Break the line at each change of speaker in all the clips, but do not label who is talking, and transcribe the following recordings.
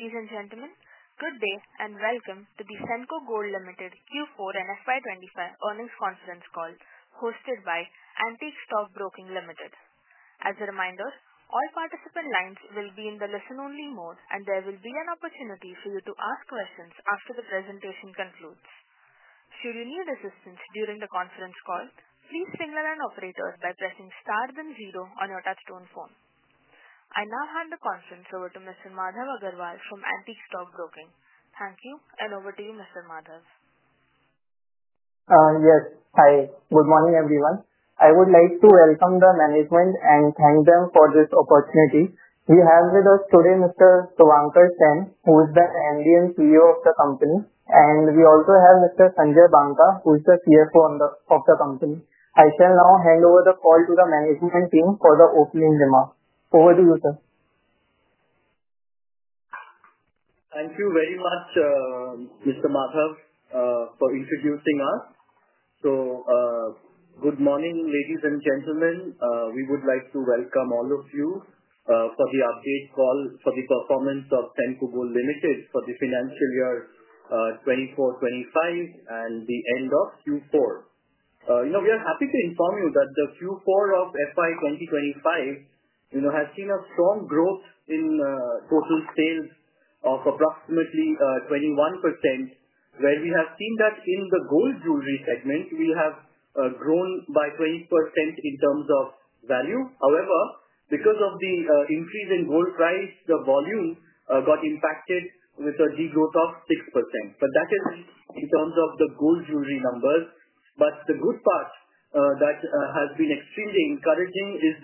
Ladies and gentlemen, good day and welcome to the Senco Gold Limited Q4 and FY25 earnings conference call hosted by Antique Stock Broking Limited. As a reminder, all participant lines will be in the listen-only mode, and there will be an opportunity for you to ask questions after the presentation concludes. Should you need assistance during the conference call, please signal an operator by pressing star then zero on your touch-tone phone. I now hand the conference over to Mr. Madhav Agarwal from Antique Stock Broking. Thank you, and over to you, Mr. Madhav.
Yes, hi. Good morning, everyone. I would like to welcome the management and thank them for this opportunity. We have with us today Mr. Suvankar Sen, who is the MD and CEO of the company, and we also have Mr. Sanjay Banka, who is the CFO of the company. I shall now hand over the call to the management team for the opening remarks. Over to you, sir.
Thank you very much, Mr. Madhav, for introducing us. Good morning, ladies and gentlemen. We would like to welcome all of you for the update call for the performance of Senco Gold Limited for the financial year 2024-2025 and the end of Q4. We are happy to inform you that the Q4 of FY2025 has seen a strong growth in total sales of approximately 21%, where we have seen that in the gold jewelry segment, we have grown by 20% in terms of value. However, because of the increase in gold price, the volume got impacted with a degrowth of 6%. That is in terms of the gold jewelry numbers. The good part that has been extremely encouraging is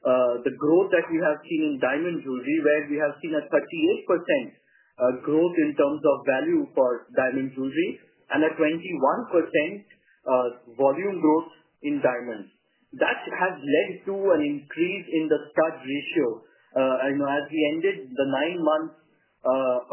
the growth that we have seen in diamond jewelry, where we have seen a 38% growth in terms of value for diamond jewelry and a 21% volume growth in diamonds. That has led to an increase in the stud ratio. As we ended the nine months,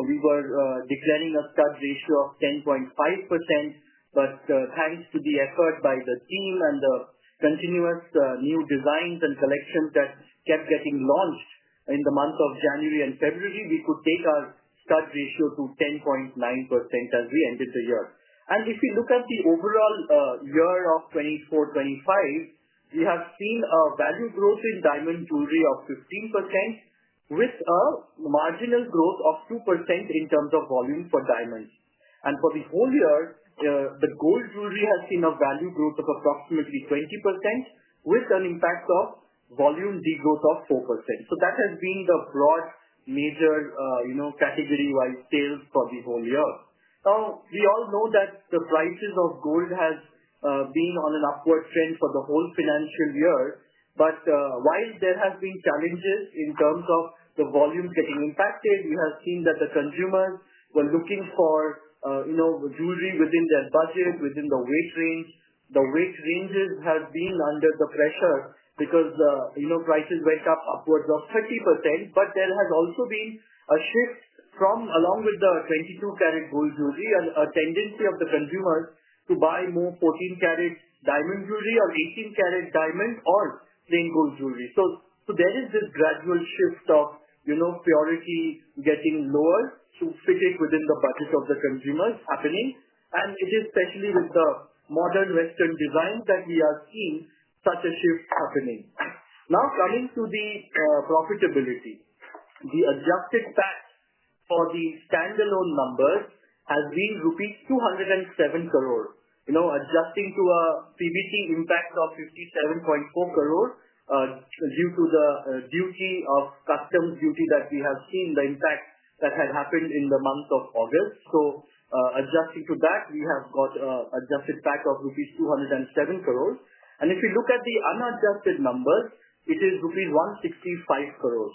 we were declaring a stud ratio of 10.5%. Thanks to the effort by the team and the continuous new designs and collections that kept getting launched in the month of January and February, we could take our stud ratio to 10.9% as we ended the year. If you look at the overall year of 2024-2025, we have seen a value growth in diamond jewelry of 15% with a marginal growth of 2% in terms of volume for diamonds. For the whole year, the gold jewelry has seen a value growth of approximately 20% with an impact of volume degrowth of 4%. That has been the broad major category-wide sales for the whole year. We all know that the prices of gold have been on an upward trend for the whole financial year. While there have been challenges in terms of the volume getting impacted, we have seen that the consumers were looking for jewelry within their budget, within the weight range. The weight ranges have been under pressure because prices went up upwards of 30%. There has also been a shift from, along with the 22-carat gold jewelry, a tendency of the consumers to buy more 14-carat diamond jewelry or 18-carat diamond or plain gold jewelry. There is this gradual shift of priority getting lower to fit it within the budget of the consumers happening. It is especially with the modern Western designs that we are seeing such a shift happening. Now, coming to the profitability, the adjusted tax for the standalone numbers has been rupees 207 crore, adjusting to a PBT impact of 57.4 crore due to the customs duty that we have seen, the impact that had happened in the month of August. Adjusting to that, we have got an adjusted tax of rupees 207 crore. If you look at the unadjusted numbers, it is rupees 165 crore.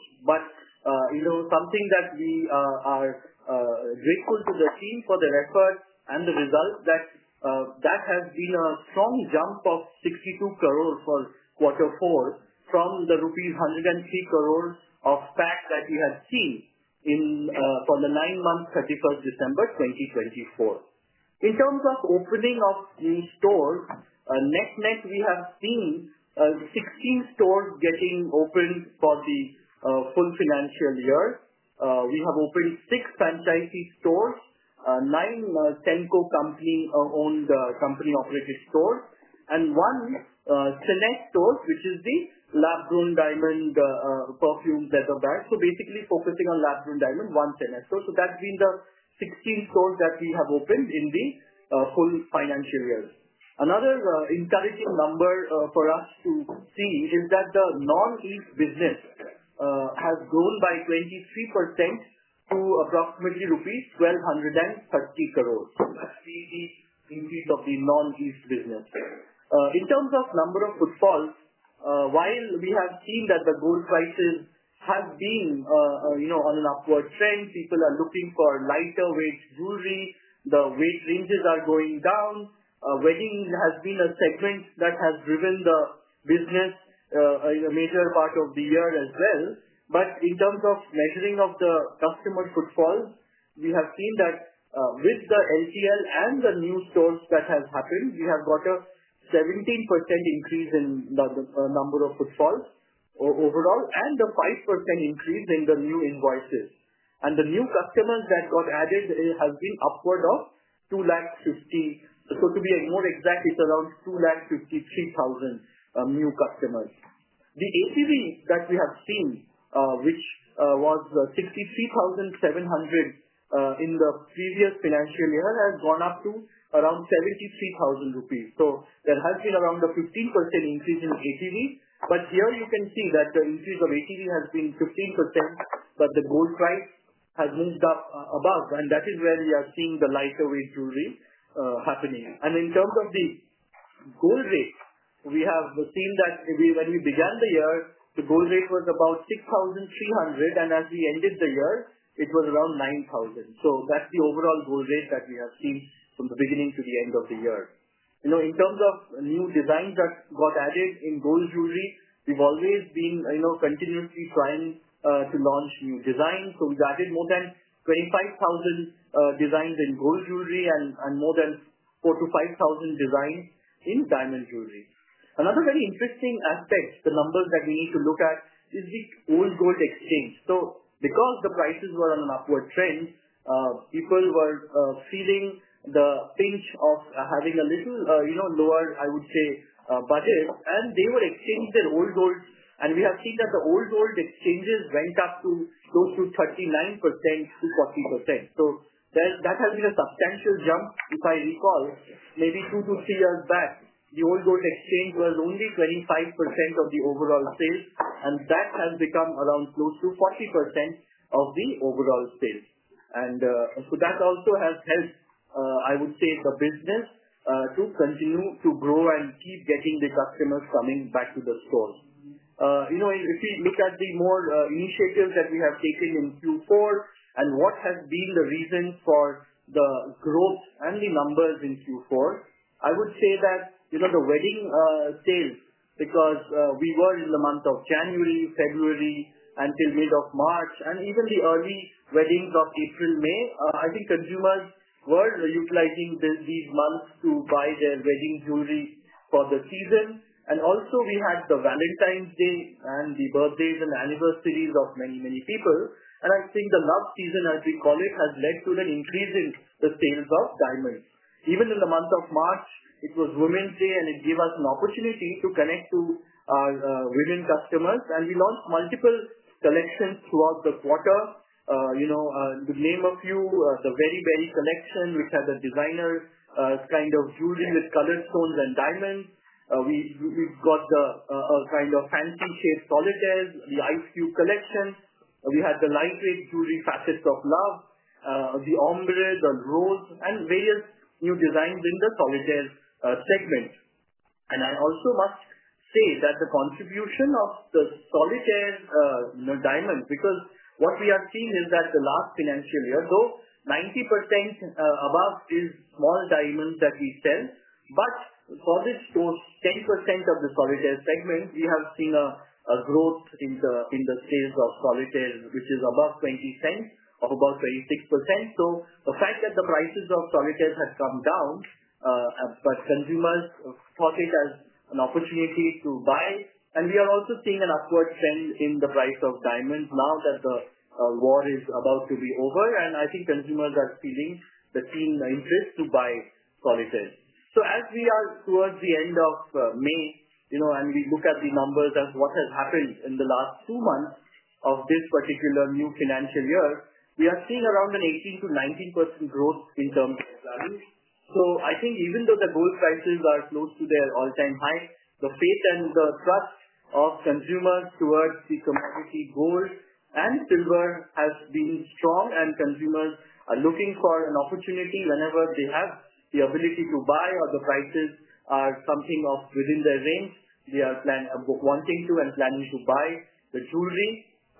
Something that we are grateful to the team for is the effort and the result, that has been a strong jump of 62 crore for Q4 from the rupees 103 crore of tax that we had seen for the nine months, 31 December 2024. In terms of opening of new stores, net-net, we have seen 16 stores getting opened for the full financial year. We have opened six franchisee stores, nine Senco company-owned company-operated stores, and one Senet store, which is the lab-grown diamond perfume leather bag. Basically focusing on lab-grown diamond, one Senet store. That has been the 16 stores that we have opened in the full financial year. Another encouraging number for us to see is that the non-east business has grown by 23% to approximately rupees 1,230 crore. That has been the increase of the non-east business. In terms of number of footfalls, while we have seen that the gold prices have been on an upward trend, people are looking for lighter-weight jewelry. The weight ranges are going down. Weddings have been a segment that has driven the business in a major part of the year as well. In terms of measuring of the customer footfall, we have seen that with the LTL and the new stores that have happened, we have got a 17% increase in the number of footfalls overall and a 5% increase in the new invoices. The new customers that got added have been upward of 250,000. To be more exact, it is around 253,000 new customers. The ATV that we have seen, which was 63,700 in the previous financial year, has gone up to around 73,000 rupees. There has been around a 15% increase in ATV. Here you can see that the increase of ATV has been 15%, but the gold price has moved up above. That is where we are seeing the lighter-weight jewelry happening. In terms of the gold rate, we have seen that when we began the year, the gold rate was about 6,300, and as we ended the year, it was around 9,000. That is the overall gold rate that we have seen from the beginning to the end of the year. In terms of new designs that got added in gold jewelry, we've always been continuously trying to launch new designs. We've added more than 25,000 designs in gold jewelry and more than 4,000-5,000 designs in diamond jewelry. Another very interesting aspect, the numbers that we need to look at, is the old gold exchange. Because the prices were on an upward trend, people were feeling the pinch of having a little lower, I would say, budget, and they would exchange their old gold. We have seen that the old gold exchanges went up to close to 39%-40%. That has been a substantial jump. If I recall, maybe two to three years back, the old gold exchange was only 25% of the overall sales, and that has become around close to 40% of the overall sales. That also has helped, I would say, the business to continue to grow and keep getting the customers coming back to the stores. If you look at the more initiatives that we have taken in Q4 and what has been the reason for the growth and the numbers in Q4, I would say that the wedding sales, because we were in the month of January, February, until mid of March, and even the early weddings of April, May, I think consumers were utilizing these months to buy their wedding jewelry for the season. Also, we had the Valentine's Day and the birthdays and anniversaries of many, many people. I think the love season, as we call it, has led to an increase in the sales of diamonds. Even in the month of March, it was Women's Day, and it gave us an opportunity to connect to our women customers. We launched multiple collections throughout the quarter. To name a few, the Very Berry collection, which had the designer kind of jewelry with colored stones and diamonds. We have got the kind of fancy-shaped solitaires, the Ice Cube collection. We had the lightweight jewelry, Facets of Love, the Ombre, the Rose, and various new designs in the solitaire segment. I also must say that the contribution of the solitaire diamonds, because what we have seen is that the last financial year, though, 90% above is small diamonds that we sell. For the 10% of the solitaire segment, we have seen a growth in the sales of solitaires, which is above 20 cents, of about 26%. The fact that the prices of solitaires have come down, but consumers thought it as an opportunity to buy. We are also seeing an upward trend in the price of diamonds now that the war is about to be over. I think consumers are feeling the keen interest to buy solitaires. As we are towards the end of May and we look at the numbers as what has happened in the last two months of this particular new financial year, we are seeing around an 18%-19% growth in terms of value. I think even though the gold prices are close to their all-time high, the faith and the trust of consumers towards the commodity gold and silver has been strong. Consumers are looking for an opportunity whenever they have the ability to buy, or the prices are something within their range, they are wanting to and planning to buy the jewelry.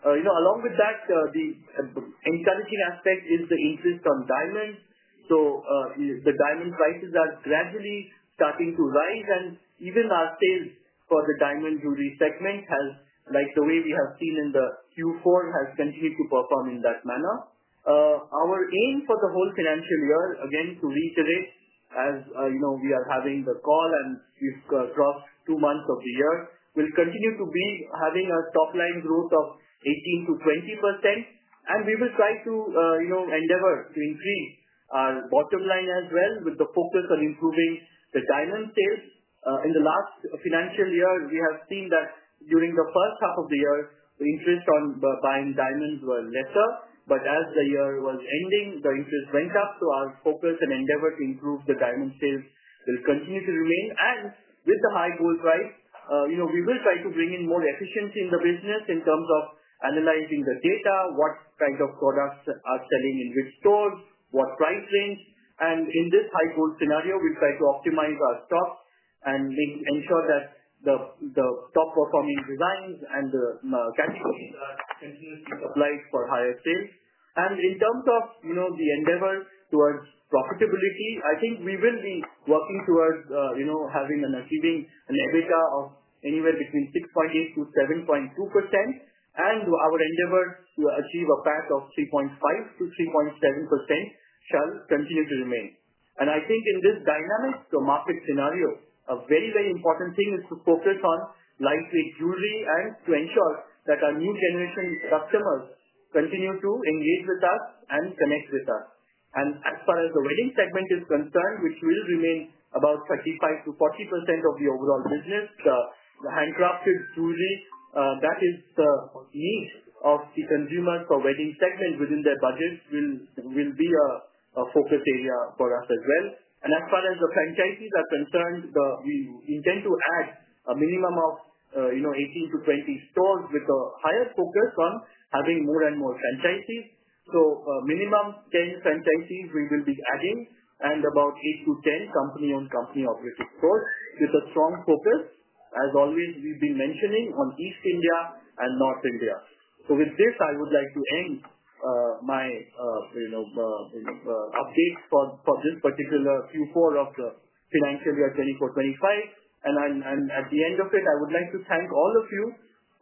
Along with that, the encouraging aspect is the interest on diamonds. The diamond prices are gradually starting to rise, and even our sales for the diamond jewelry segment, like the way we have seen in Q4, has continued to perform in that manner. Our aim for the whole financial year, again, to reiterate, as we are having the call and we have crossed two months of the year, will continue to be having a top-line growth of 18%-20%. We will try to endeavor to increase our bottom line as well with the focus on improving the diamond sales. In the last financial year, we have seen that during the first half of the year, the interest on buying diamonds was lesser. As the year was ending, the interest went up. Our focus and endeavor to improve the diamond sales will continue to remain. With the high gold price, we will try to bring in more efficiency in the business in terms of analyzing the data, what kind of products are selling in which stores, what price range. In this high gold scenario, we'll try to optimize our stock and ensure that the top-performing designs and the categories are continuously supplied for higher sales. In terms of the endeavor towards profitability, I think we will be working towards having and achieving an EBITDA of anywhere between 6.8%-7.2%. Our endeavor to achieve a PAT of 3.5%-3.7% shall continue to remain. I think in this dynamic market scenario, a very, very important thing is to focus on lightweight jewelry and to ensure that our new generation customers continue to engage with us and connect with us. As far as the wedding segment is concerned, which will remain about 35%-40% of the overall business, the handcrafted jewelry, that is the need of the consumers for the wedding segment within their budgets, will be a focus area for us as well. As far as the franchisees are concerned, we intend to add a minimum of 18-20 stores with a higher focus on having more and more franchisees. Minimum 10 franchisees we will be adding and about 8-10 company-owned company-operated stores with a strong focus, as always we've been mentioning, on East India and North India. With this, I would like to end my update for this particular Q4 of the financial year 2024-2025. At the end of it, I would like to thank all of you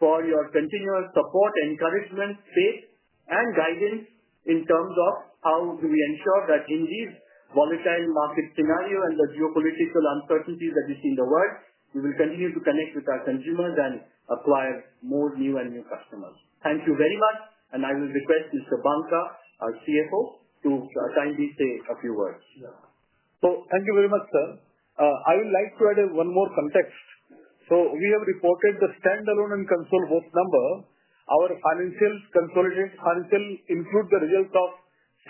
for your continuous support, encouragement, faith, and guidance in terms of how do we ensure that in these volatile market scenarios and the geopolitical uncertainties that we see in the world, we will continue to connect with our consumers and acquire more new and new customers. Thank you very much. I will request Mr. Banka, our CFO, to kindly say a few words.
Thank you very much, sir. I would like to add one more context. We have reported the standalone and console both number. Our financials include the results of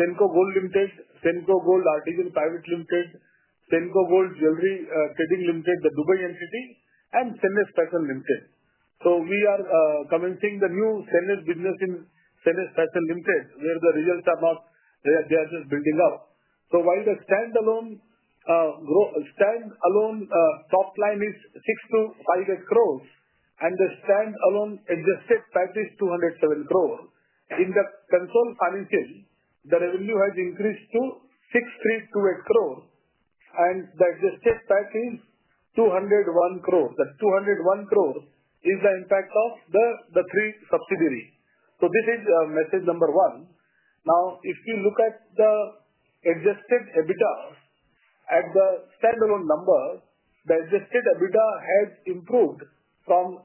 Senco Gold Limited, Senco Gold Artisan Private Limited, Senco Gold Jewelry Trading Limited, the Dubai entity, and Senet Special Limited. We are commencing the new Senet business in Senet Special Limited, where the results are not, they are just building up. While the standalone top line is 6,258 crores, and the standalone adjusted PAT is 207 crores, in the console financial, the revenue has increased to 6,328 crores, and the adjusted PAT is 201 crores. The 201 crores is the impact of the three subsidiaries. This is message number one. Now, if you look at the adjusted EBITDA at the standalone number, the adjusted EBITDA has improved from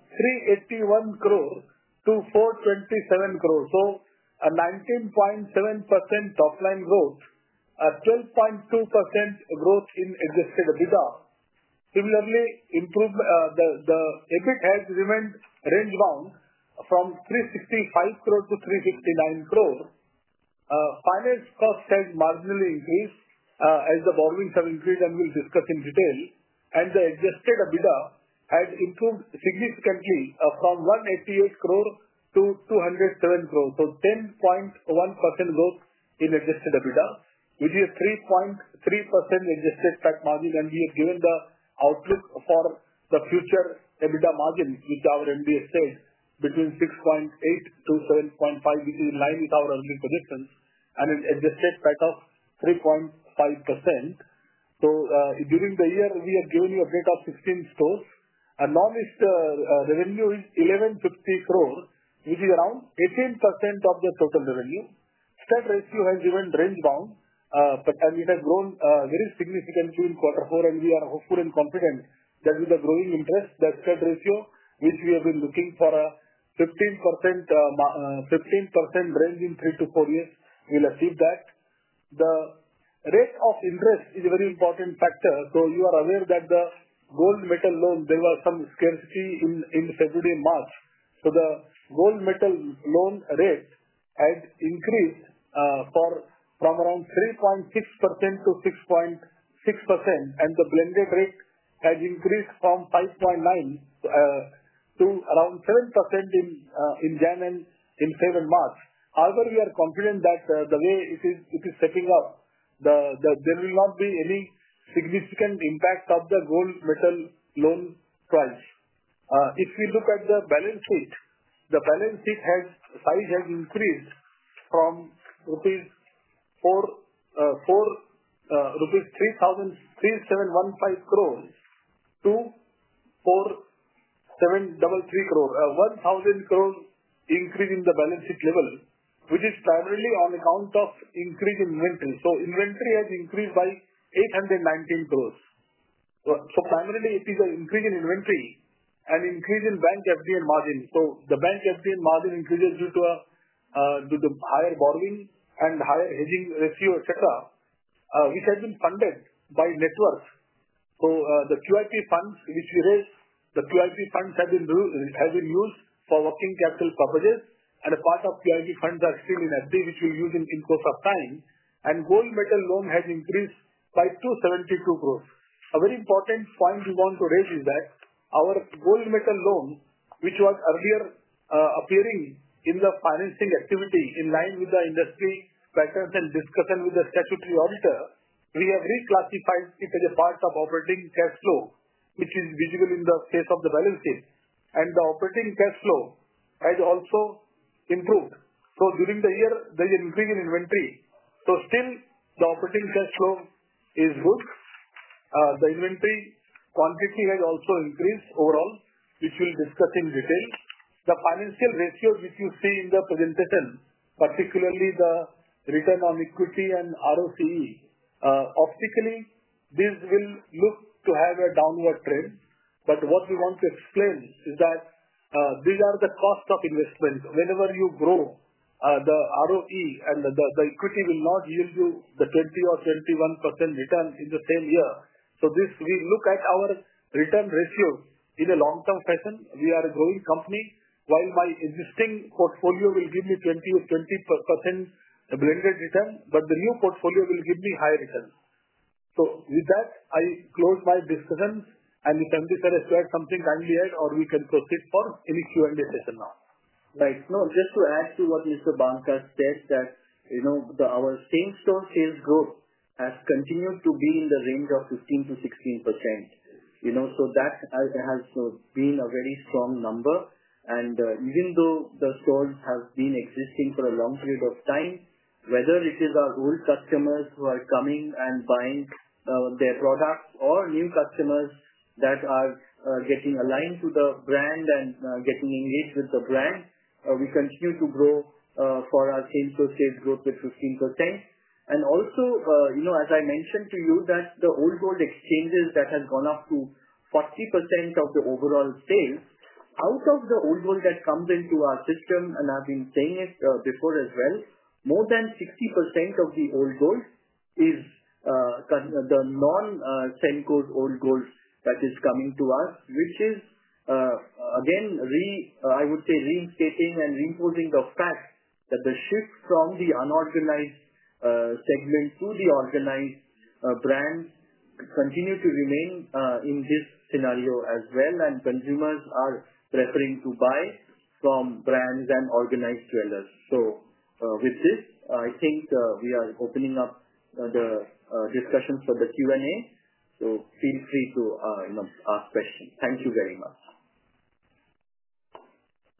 381 crores to 427 crores. A 19.7% top-line growth, a 12.2% growth in adjusted EBITDA. Similarly, the EBIT has remained range-bound from 365 crore to 369 crore. Finance costs have marginally increased as the borrowings have increased, and we'll discuss in detail. The adjusted EBITDA has improved significantly from 188 crore to 207 crore. A 10.1% growth in adjusted EBITDA, which is 3.3% adjusted PAT margin. We have given the outlook for the future EBITDA margin with our MD said between 6.8%-7.5%, which is in line with our early predictions, and an adjusted PAT of 3.5%. During the year, we have given you a rate of 16 stores. Now, revenue is 1,150 crore, which is around 18% of the total revenue. Stud ratio has been range-bound, and it has grown very significantly in quarter four. We are hopeful and confident that with the growing interest, the stud ratio, which we have been looking for in the 15% range in three to four years, will achieve that. The rate of interest is a very important factor. You are aware that the gold metal loan, there was some scarcity in February and March. The gold metal loan rate had increased from around 3.6% to 6.6%. The blended rate has increased from 5.9% to around 7% in January and in February and March. However, we are confident that the way it is setting up, there will not be any significant impact of the gold metal loan price. If we look at the balance sheet, the balance sheet size has increased from 3,715 crores rupees to 4,733 crores, a 1,000 crores increase in the balance sheet level, which is primarily on account of increase in inventory. Inventory has increased by 819 crores. Primarily, it is an increase in inventory and increase in bank FD and margin. The bank FD and margin increases due to higher borrowing and higher hedging ratio, etc., which has been funded by net worth. The QIP funds, which we raised, the QIP funds have been used for working capital purposes. A part of QIP funds are still in FD, which we will use in the course of time. Gold metal loan has increased by 272 crores. A very important point we want to raise is that our gold metal loan, which was earlier appearing in the financing activity in line with the industry patterns and discussion with the statutory auditor, we have reclassified it as a part of operating cash flow, which is visible in the face of the balance sheet. The operating cash flow has also improved. During the year, there is an increase in inventory. Still, the operating cash flow is good. The inventory quantity has also increased overall, which we'll discuss in detail. The financial ratios, which you see in the presentation, particularly the return on equity and ROCE, optically, these will look to have a downward trend. What we want to explain is that these are the cost of investment. Whenever you grow, the ROE and the equity will not yield you the 20% or 21% return in the same year. We look at our return ratio in a long-term fashion. We are a growing company, while my existing portfolio will give me 20% blended return, but the new portfolio will give me higher return. With that, I close my discussion. If MD Sir has to add something kindly add, or we can proceed for any Q&A session now.
Right. No, just to add to what Mr. Banka said, our same store sales growth has continued to be in the range of 15%-16%. That has been a very strong number. Even though the stores have been existing for a long period of time, whether it is our old customers who are coming and buying their products or new customers that are getting aligned to the brand and getting engaged with the brand, we continue to grow for our same store sales growth at 15%. Also, as I mentioned to you, the old gold exchanges have gone up to 40% of the overall sales. Out of the old gold that comes into our system, and I have been saying it before as well, more than 60% of the old gold is the non-Senco Gold gold that is coming to us, which is, again, I would say, reinstating and reimposing the fact that the shift from the unorganized segment to the organized brand continues to remain in this scenario as well. Consumers are preferring to buy from brands and organized sellers. With this, I think we are opening up the discussion for the Q&A. Feel free to ask questions. Thank you very much.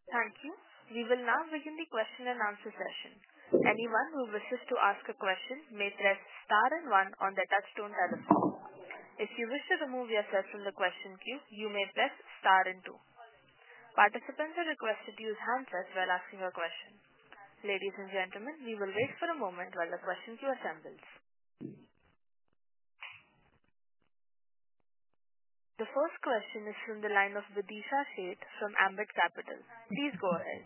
Thank you. We will now begin the question and answer session. Anyone who wishes to ask a question may press star and one on the touchstone telephone. If you wish to remove yourself from the question queue, you may press star and two. Participants are requested to use handsets while asking a question. Ladies and gentlemen, we will wait for a moment while the question queue assembles. The first question is from the line of Videesha Sheth from Ambit Capital. Please go ahead.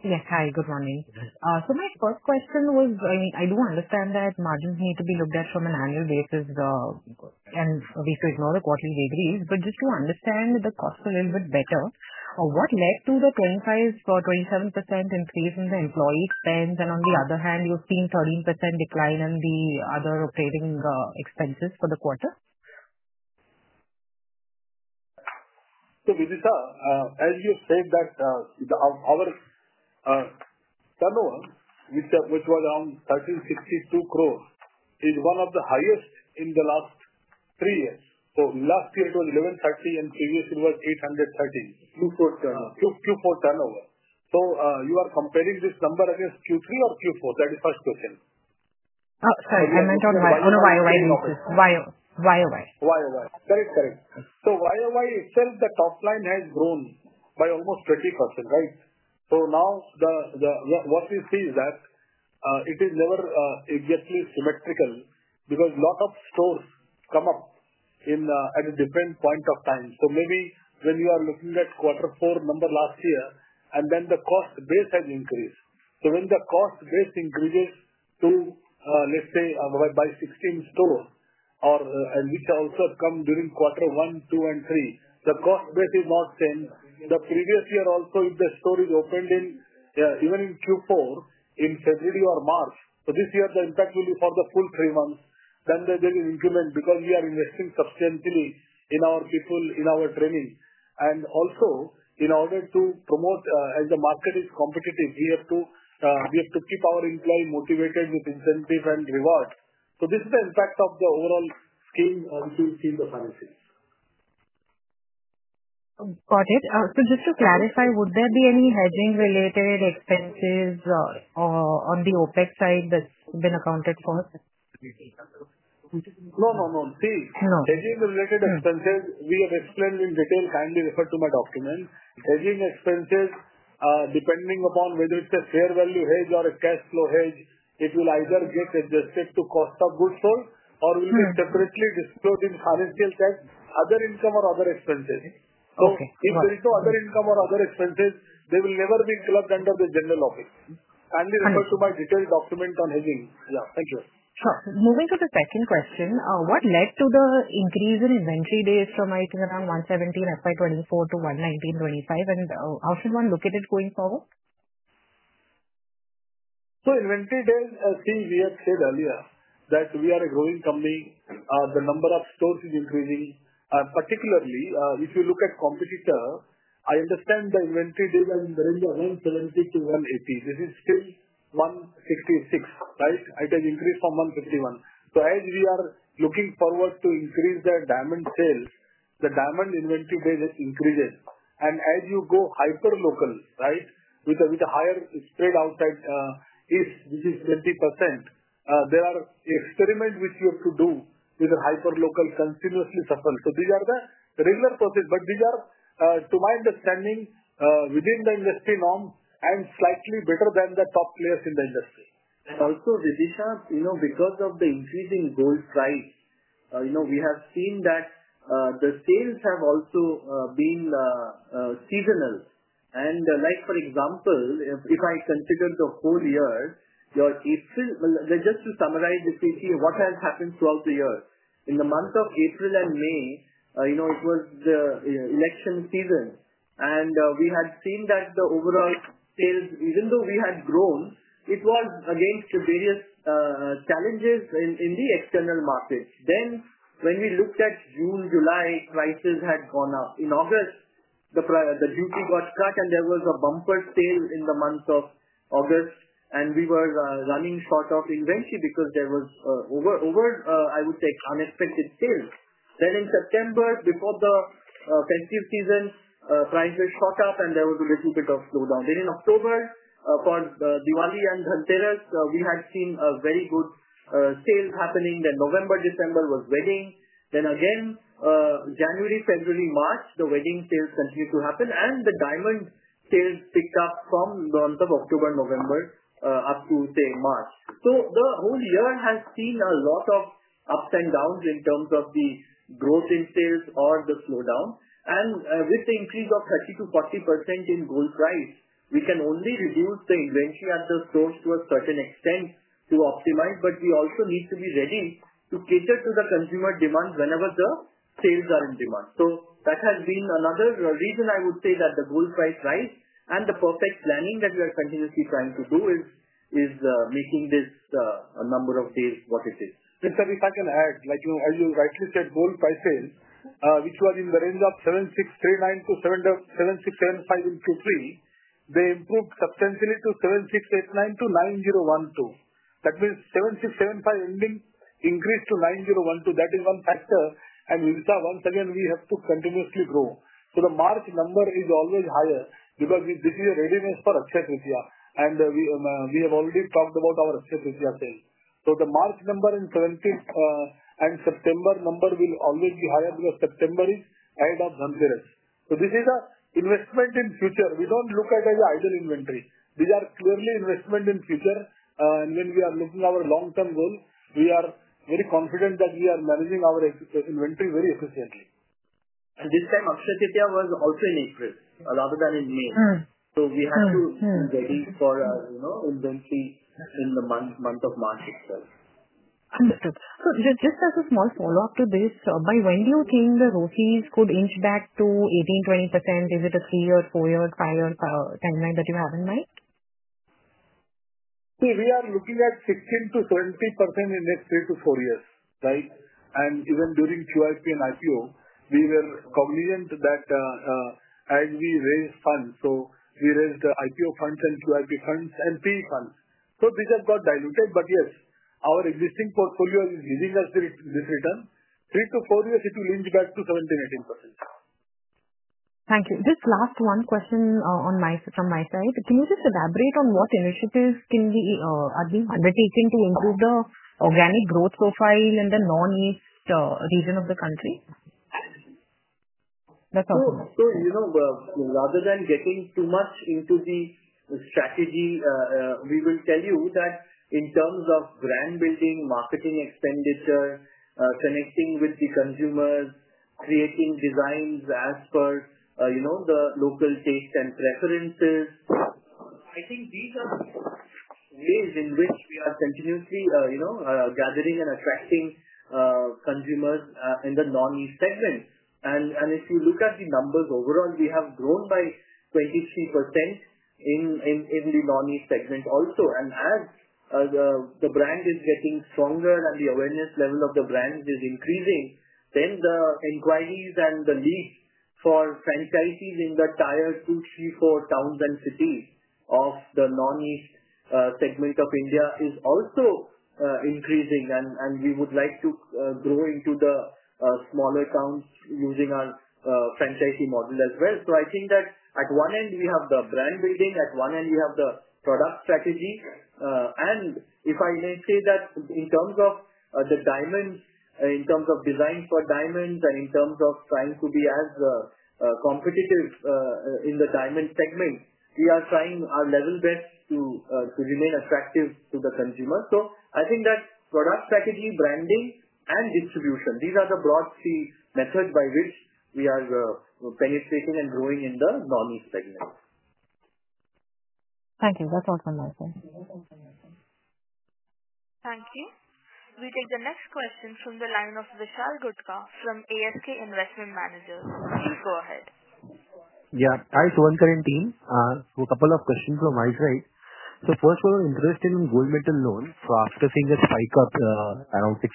Yes, hi. Good morning. My first question was, I mean, I do understand that margins need to be looked at from an annual basis and a way to ignore the quarterly wage reads. Just to understand the cost a little bit better, what led to the 25% or 27% increase in the employee spend? On the other hand, you've seen 13% decline in the other operating expenses for the quarter?
Vidisha, as you said that our turnover, which was around 1,362 crore, is one of the highest in the last three years. Last year, it was 1,130 crore, and previously, it was 830 crore.
Q4 turnover.
Q4 turnover. So you are comparing this number against Q3 or Q4? That is the first question.
Oh, sorry. I meant on YOY.
On YOY.
YOY.
YOY. Correct, correct. YOY itself, the top line has grown by almost 20%, right? What we see is that it is never exactly symmetrical because a lot of stores come up at a different point of time. Maybe when you are looking at quarter four number last year, and then the cost base has increased. When the cost base increases to, let's say, by 16 stores, which also have come during quarter one, two, and three, the cost base is not the same. The previous year also, if the store is opened in, even in Q4, in February or March, this year, the impact will be for the full three months. There is an increment because we are investing substantially in our people, in our training. In order to promote, as the market is competitive, we have to keep our employees motivated with incentive and reward. This is the impact of the overall scheme which we see in the finances.
Got it. So just to clarify, would there be any hedging-related expenses on the OpEx side that's been accounted for?
No, no, no. See, hedging-related expenses, we have explained in detail. Kindly refer to my document. Hedging expenses, depending upon whether it's a fair value hedge or a cash flow hedge, it will either get adjusted to cost of goods sold or will be separately disclosed in financial tax, other income, or other expenses. If there is no other income or other expenses, they will never be clubbed under the general OpEx. Kindly refer to my detailed document on hedging. Yeah. Thank you.
Sure. Moving to the second question, what led to the increase in inventory days from, I think, around 117 in FY 2024 to 119 in FY 2025? How should one look at it going forward?
Inventory days, see, we have said earlier that we are a growing company. The number of stores is increasing. Particularly, if you look at competitor, I understand the inventory days are in the range of 170-180. This is still 166, right? It has increased from 151. As we are looking forward to increase the diamond sales, the diamond inventory days increases. As you go hyperlocal, right, with a higher spread outside is 20%, there are experiments which you have to do with the hyperlocal continuously suffer. These are the regular processes. These are, to my understanding, within the industry norm and slightly better than the top players in the industry.
Also, Vidisha, because of the increase in gold price, we have seen that the sales have also been seasonal. For example, if I consider the whole year, your April, just to summarize, if we see what has happened throughout the year, in the month of April and May, it was the election season. We had seen that the overall sales, even though we had grown, it was against various challenges in the external markets. When we looked at June, July, prices had gone up. In August, the duty got cut, and there was a bumper sale in the month of August. We were running short of inventory because there was, I would say, unexpected sales. In September, before the festive season, prices shot up, and there was a little bit of slowdown. In October, for Diwali and Dhanteras, we had seen very good sales happening. November and December were wedding. Again, January, February, March, the wedding sales continued to happen. The diamond sales picked up from the month of October, November up to, say, March. The whole year has seen a lot of ups and downs in terms of the growth in sales or the slowdown. With the increase of 30%-40% in gold price, we can only reduce the inventory at the stores to a certain extent to optimize. We also need to be ready to cater to the consumer demand whenever the sales are in demand. That has been another reason, I would say, that the gold price rise. The perfect planning that we are continuously trying to do is making this number of days what it is.
Mr. Vishal can add. As you rightly said, gold price sales, which were in the range of 7,639-7,675 in Q3, they improved substantially to 7,689-9,012. That means 7,675 ending increased to 9,012. That is one factor. Vidisha, once again, we have to continuously grow. The March number is always higher because this is a readiness for Akshay Tritiya. We have already talked about our Akshay Tritiya sales. The March number and September number will always be higher because September is ahead of Dhanteras. This is an investment in future. We do not look at it as an idle inventory. These are clearly investments in future. When we are looking at our long-term goal, we are very confident that we are managing our inventory very efficiently.
This time, Akshay Tritiya was also in April rather than in May. We had to be ready for our inventory in the month of March itself.
Understood. Just as a small follow-up to this, by when do you think the ROCEs could inch back to 18%-20%? Is it a three-year, four-year, five-year timeline that you have in mind?
See, we are looking at 16%-17% in the three to four years, right? Even during QIP and IPO, we were cognizant that as we raised funds, we raised IPO funds and QIP funds and PE funds. These have got diluted. Yes, our existing portfolio is giving us this return. Three to four years, it will inch back to 17%-18%.
Thank you. Just last one question from my side. Can you just elaborate on what initiatives are being undertaken to improve the organic growth profile in the non-east region of the country? That's all.
Rather than getting too much into the strategy, we will tell you that in terms of brand building, marketing expenditure, connecting with the consumers, creating designs as per the local taste and preferences, I think these are ways in which we are continuously gathering and attracting consumers in the non-east segment. If you look at the numbers overall, we have grown by 23% in the non-east segment also. As the brand is getting stronger and the awareness level of the brand is increasing, the inquiries and the leads for franchisees in the tier two, three, four towns and cities of the non-east segment of India is also increasing. We would like to grow into the smaller towns using our franchisee model as well. I think that at one end, we have the brand building. At one end, we have the product strategy. If I may say that in terms of the diamonds, in terms of design for diamonds and in terms of trying to be as competitive in the diamond segment, we are trying our level best to remain attractive to the consumer. I think that product strategy, branding, and distribution, these are the broad three methods by which we are penetrating and growing in the non-east segment.
Thank you. That's all from my side.
Thank you. We take the next question from the line of Vishal Gutka from ASK Investment Managers. Please go ahead.
Yeah. Hi, Suvankar and team. A couple of questions from my side. First, we're interested in gold metal loans. After seeing a spike of around 6%-10%,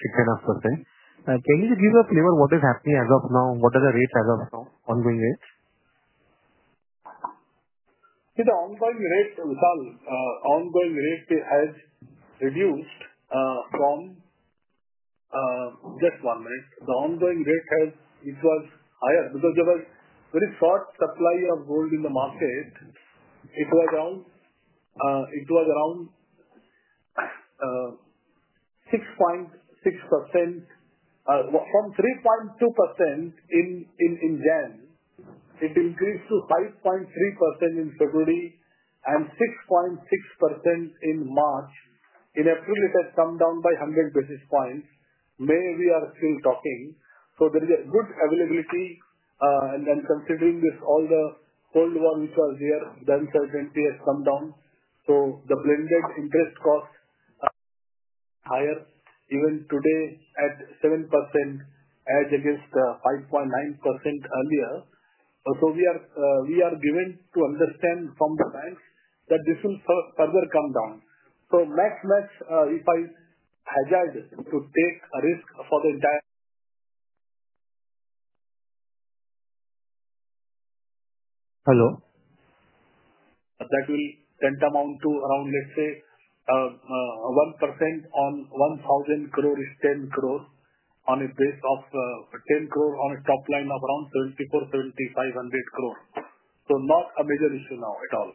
can you give a flavor of what is happening as of now? What are the rates as of now, ongoing rates?
See, the ongoing rate, Vishal, ongoing rate has reduced from just one minute. The ongoing rate has, it was higher because there was very short supply of gold in the market. It was around 6.6%. From 3.2% in January, it increased to 5.3% in February and 6.6% in March. In April, it had come down by 100 basis points. May, we are still talking. There is a good availability. Then considering this, all the Cold War, which was there, the uncertainty has come down. The blended interest cost is higher, even today at 7% as against 5.9% earlier. We are given to understand from the banks that this will further come down. Max, max, if I hedge out to take a risk for the entire.
Hello?
That will tend to amount to around, let's say, 1% on 1,000 crore is 10 crore on a base of 10 crore on a top line of around 7,400-7,500 crore. Not a major issue now at all.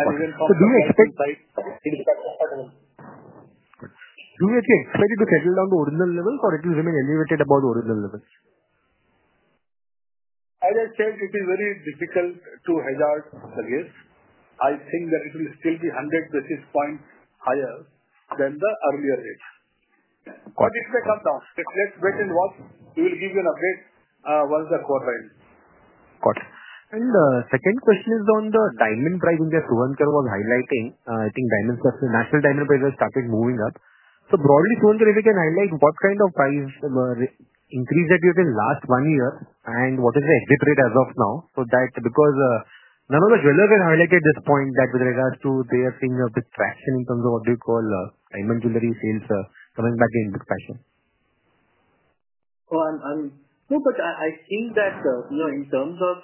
Even from the market side.
Do you expect it to settle down to original levels, or it will remain elevated above the original levels?
As I said, it is very difficult to hedge out the risks. I think that it will still be 100 basis points higher than the earlier rate. It may come down. Let's wait and watch. We will give you an update once the quarter ends.
Got it. The second question is on the diamond price in which Suvankar was highlighting. I think national diamond prices started moving up. Broadly, Suvankar, if you can highlight what kind of price increase that you have in the last one year and what is the exit rate as of now? That is because none of the jewelers have highlighted this point that with regards to they are seeing a bit traction in terms of what you call diamond jewelry sales coming back in big fashion.
Oh, I'm no, but I think that in terms of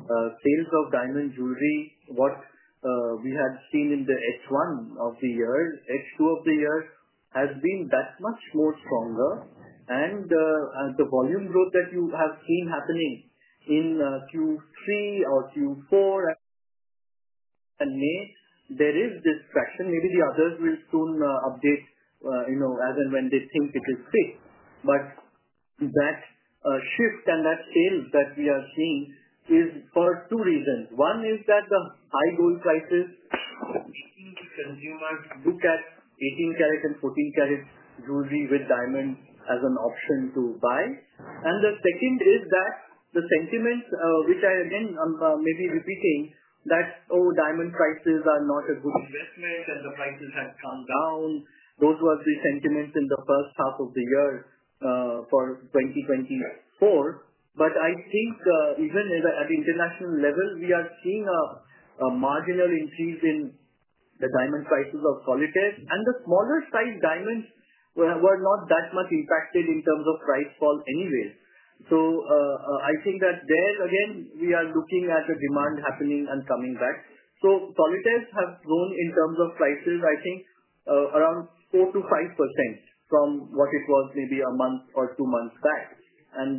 sales of diamond jewelry, what we had seen in the H1 of the year, H2 of the year has been that much more stronger. The volume growth that you have seen happening in Q3 or Q4 and May, there is this traction. Maybe the others will soon update as and when they think it is fit. That shift and that sales that we are seeing is for two reasons. One is that the high gold prices seem to make consumers look at 18-karat and 14-karat jewelry with diamonds as an option to buy. The second is that the sentiment, which I again may be repeating, that, "Oh, diamond prices are not a good investment," and the prices have come down. Those were the sentiments in the first half of the year for 2024. I think even at the international level, we are seeing a marginal increase in the diamond prices of solitaires. The smaller-sized diamonds were not that much impacted in terms of price fall anyway. I think that there, again, we are looking at the demand happening and coming back. Solitaires have grown in terms of prices, I think, around 4-5% from what it was maybe a month or two months back.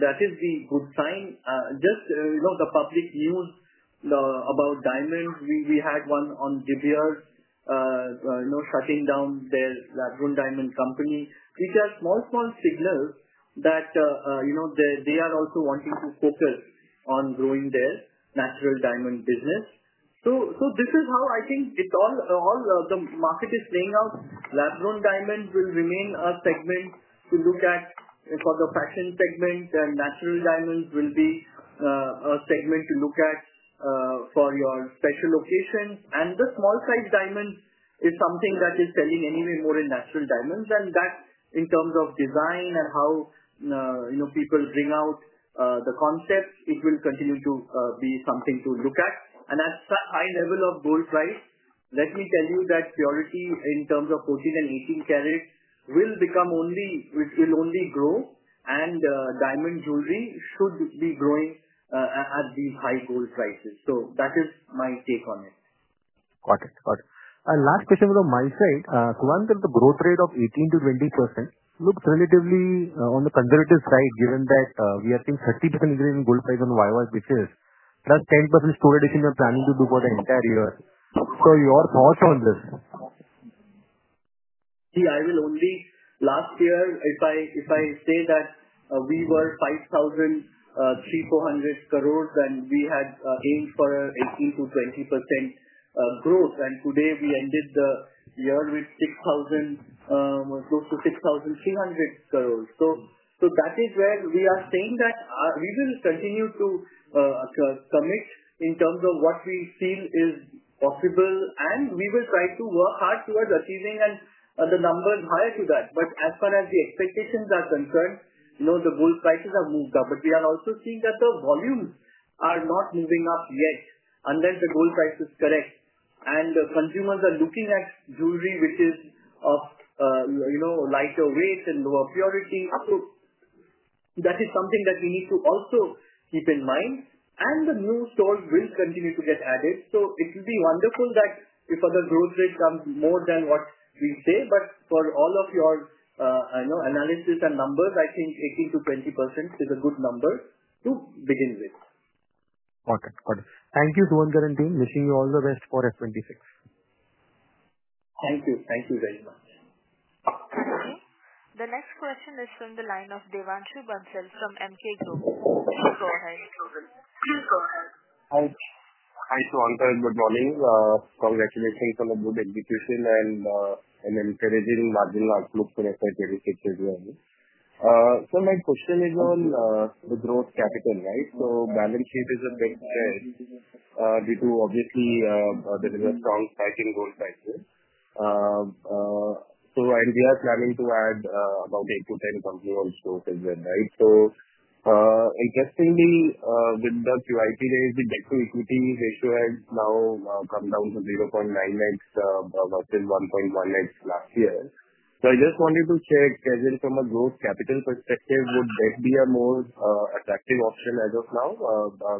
That is a good sign. Just the public news about diamonds, we had one on Jubier shutting down their lab-grown diamond company, which are small, small signals that they are also wanting to focus on growing their natural diamond business. This is how I think the market is playing out. Lab-grown diamonds will remain a segment to look at for the fashion segment, and natural diamonds will be a segment to look at for your special occasions. The small-sized diamonds is something that is selling anyway more in natural diamonds. That in terms of design and how people bring out the concept, it will continue to be something to look at. At such high level of gold price, let me tell you that purity in terms of 14 and 18-carat will only grow, and diamond jewelry should be growing at these high gold prices. That is my take on it.
Got it. Got it. Last question from my side. Suvankar, the growth rate of 18%-20% looks relatively on the conservative side, given that we are seeing a 30% increase in gold price on year-over-year, which is plus 10% store addition we are planning to do for the entire year. Your thoughts on this?
See, I will only last year, if I say that we were 5,300-5,400 crores, then we had aimed for 18%-20% growth. Today, we ended the year with close to 6,300 crores. That is where we are saying that we will continue to commit in terms of what we feel is possible. We will try to work hard towards achieving the numbers higher to that. As far as the expectations are concerned, the gold prices have moved up. We are also seeing that the volumes are not moving up yet. Unless the gold price is correct and consumers are looking at jewelry, which is of lighter weight and lower purity, that is something that we need to also keep in mind. The new stores will continue to get added. It will be wonderful that if the growth rate comes more than what we say. But for all of your analysis and numbers, I think 18%-20% is a good number to begin with.
Got it. Got it. Thank you, Suvankar and team. Wishing you all the best for F26.
Thank you. Thank you very much.
Thank you. The next question is from the line of Devanshu Bansel from Emkay Group. Please go ahead.
Hi, Suvankar. Good morning. Congratulations on a good execution and an encouraging marginal outlook for FY 2026 as well. My question is on the growth capital, right? The balance sheet is a big play due to, obviously, there is a strong spike in gold prices. We are planning to add about 8-10 company-owned stores as well, right? Interestingly, with the QIP, the debt-to-equity ratio has now come down to 0.9x versus 1.1x last year. I just wanted to check, as in from a growth capital perspective, would debt be a more attractive option as of now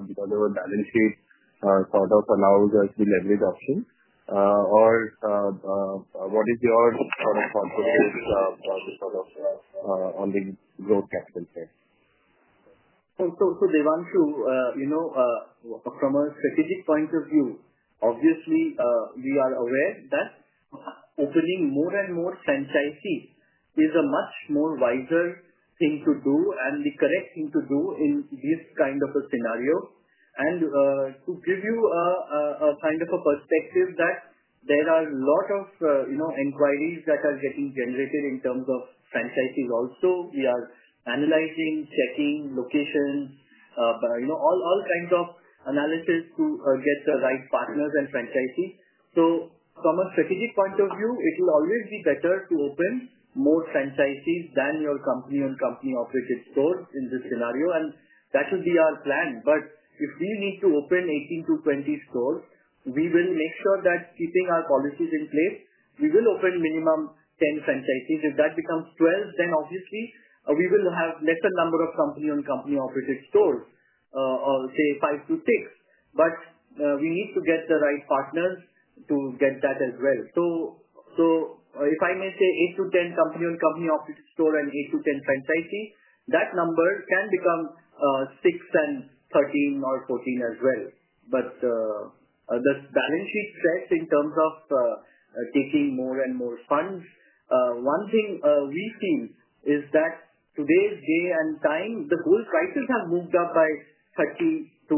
because our balance sheet sort of allows us the leverage option? What is your sort of thought process on the growth capital side?
Devanshu, from a strategic point of view, obviously, we are aware that opening more and more franchisees is a much more wiser thing to do and the correct thing to do in this kind of a scenario. To give you a kind of a perspective, there are a lot of inquiries that are getting generated in terms of franchisees also. We are analyzing, checking locations, all kinds of analysis to get the right partners and franchisees. From a strategic point of view, it will always be better to open more franchisees than your company-owned company-operated stores in this scenario. That will be our plan. If we need to open 18-20 stores, we will make sure that keeping our policies in place, we will open minimum 10 franchisees. If that becomes 12, then obviously, we will have lesser number of company-owned company-operated stores, say 5-6. But we need to get the right partners to get that as well. So if I may say 8-10 company-owned company-operated stores and 8-10 franchisees, that number can become 6 and 13 or 14 as well. But the balance sheet threats in terms of taking more and more funds, one thing we feel is that today's day and time, the gold prices have moved up by 30%-40%.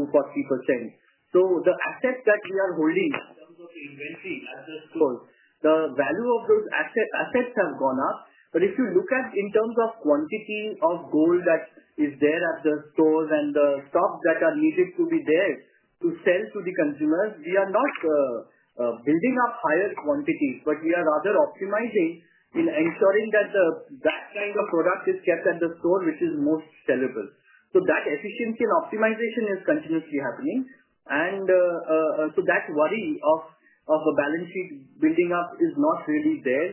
So the assets that we are holding in terms of the inventory at the stores, the value of those assets have gone up. If you look at in terms of quantity of gold that is there at the stores and the stocks that are needed to be there to sell to the consumers, we are not building up higher quantities, but we are rather optimizing in ensuring that that kind of product is kept at the store, which is most sellable. That efficiency and optimization is continuously happening. That worry of a balance sheet building up is not really there.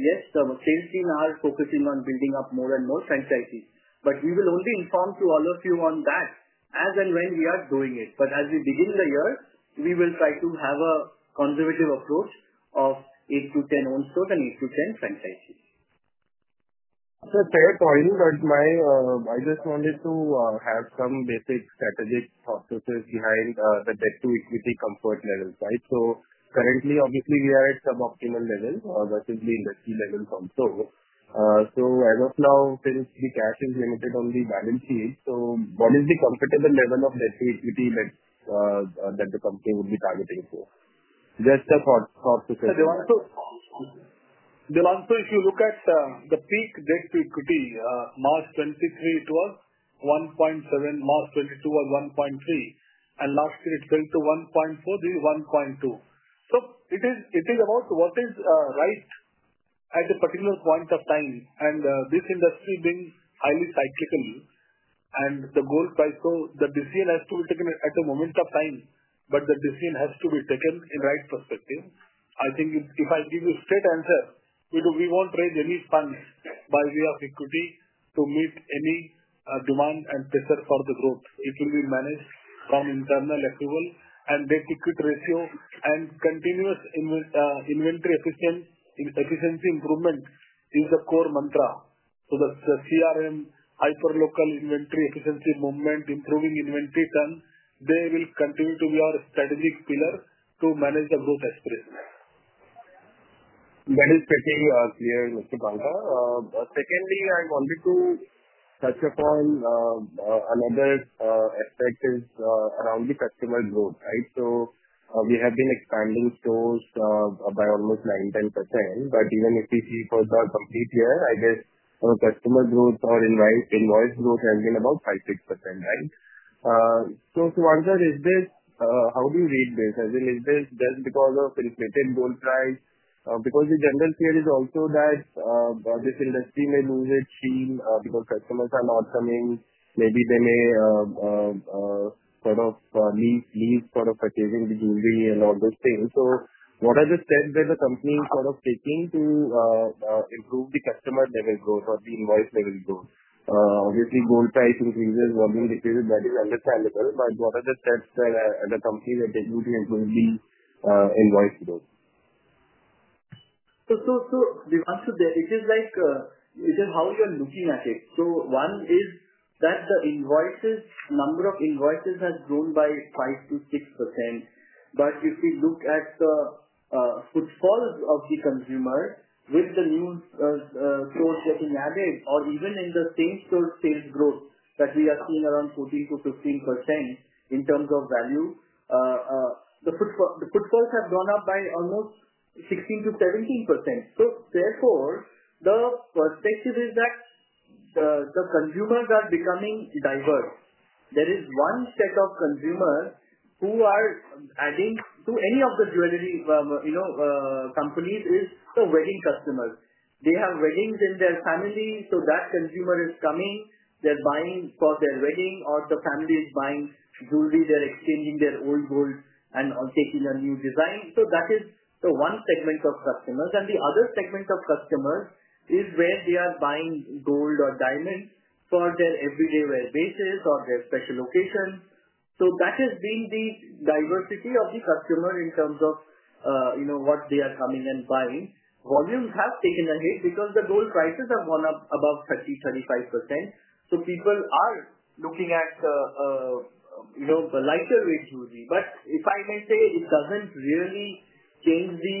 Yes, the sales team are focusing on building up more and more franchisees. We will only inform to all of you on that as and when we are doing it. As we begin the year, we will try to have a conservative approach of 8-10 owned stores and 8-10 franchisees.
That's a fair point. I just wanted to have some basic strategic thought process behind the debt-to-equity comfort levels, right? Currently, obviously, we are at sub-optimal levels versus the industry levels also. As of now, since the cash is limited on the balance sheet, what is the comfortable level of debt-to-equity that the company would be targeting for? Just a thought process.
There also, if you look at the peak debt-to-equity, March 2023, it was 1.7. March 2022 was 1.3. Last year, it fell to 1.4, 1.2. It is about what is right at a particular point of time. This industry is highly cyclical, and the gold price, so the decision has to be taken at a moment of time. The decision has to be taken in the right perspective. I think if I give you a straight answer, we won't raise any funds by way of equity to meet any demand and pressure for the growth. It will be managed from internal approval and debt-equity ratio. Continuous inventory efficiency improvement is the core mantra. The CRM, hyperlocal inventory efficiency movement, improving inventory turn, they will continue to be our strategic pillar to manage the growth aspiration.
That is clearly all clear, Mr. Bhaldar. Secondly, I wanted to touch upon another aspect around the customer growth, right? We have been expanding stores by almost 9-10%. Even if we see for the complete year, I guess our customer growth or invoice growth has been about 5-6%, right? Suvankar, how do you read this? Is this just because of inflated gold price? The general fear is also that this industry may lose its sheen because customers are not coming. Maybe they may sort of leave for the purchasing the jewelry and all those things. What are the steps that the company is sort of taking to improve the customer-level growth or the invoice-level growth? Obviously, gold price increases, volume decreases. That is understandable. What are the steps that the company will take to improve the invoice growth?
Devanshu, it is how you are looking at it. One is that the number of invoices has grown by 5-6%. If we look at the footfalls of the consumers with the new stores getting added, or even in the same store sales growth that we are seeing around 14%-15% in terms of value, the footfalls have gone up by almost 16%-17%. Therefore, the perspective is that the consumers are becoming diverse. There is one set of consumers who are adding to any of the jewelry companies, which is the wedding customers. They have weddings in their family. That consumer is coming. They are buying for their wedding, or the family is buying jewelry. They are exchanging their old gold and taking a new design. That is the one segment of customers. The other segment of customers is where they are buying gold or diamonds for their everyday wear basis or their special occasions. That has been the diversity of the customer in terms of what they are coming and buying. Volumes have taken a hit because the gold prices have gone up above 30%-35%. People are looking at the lighter-weight jewelry. If I may say, it does not really change the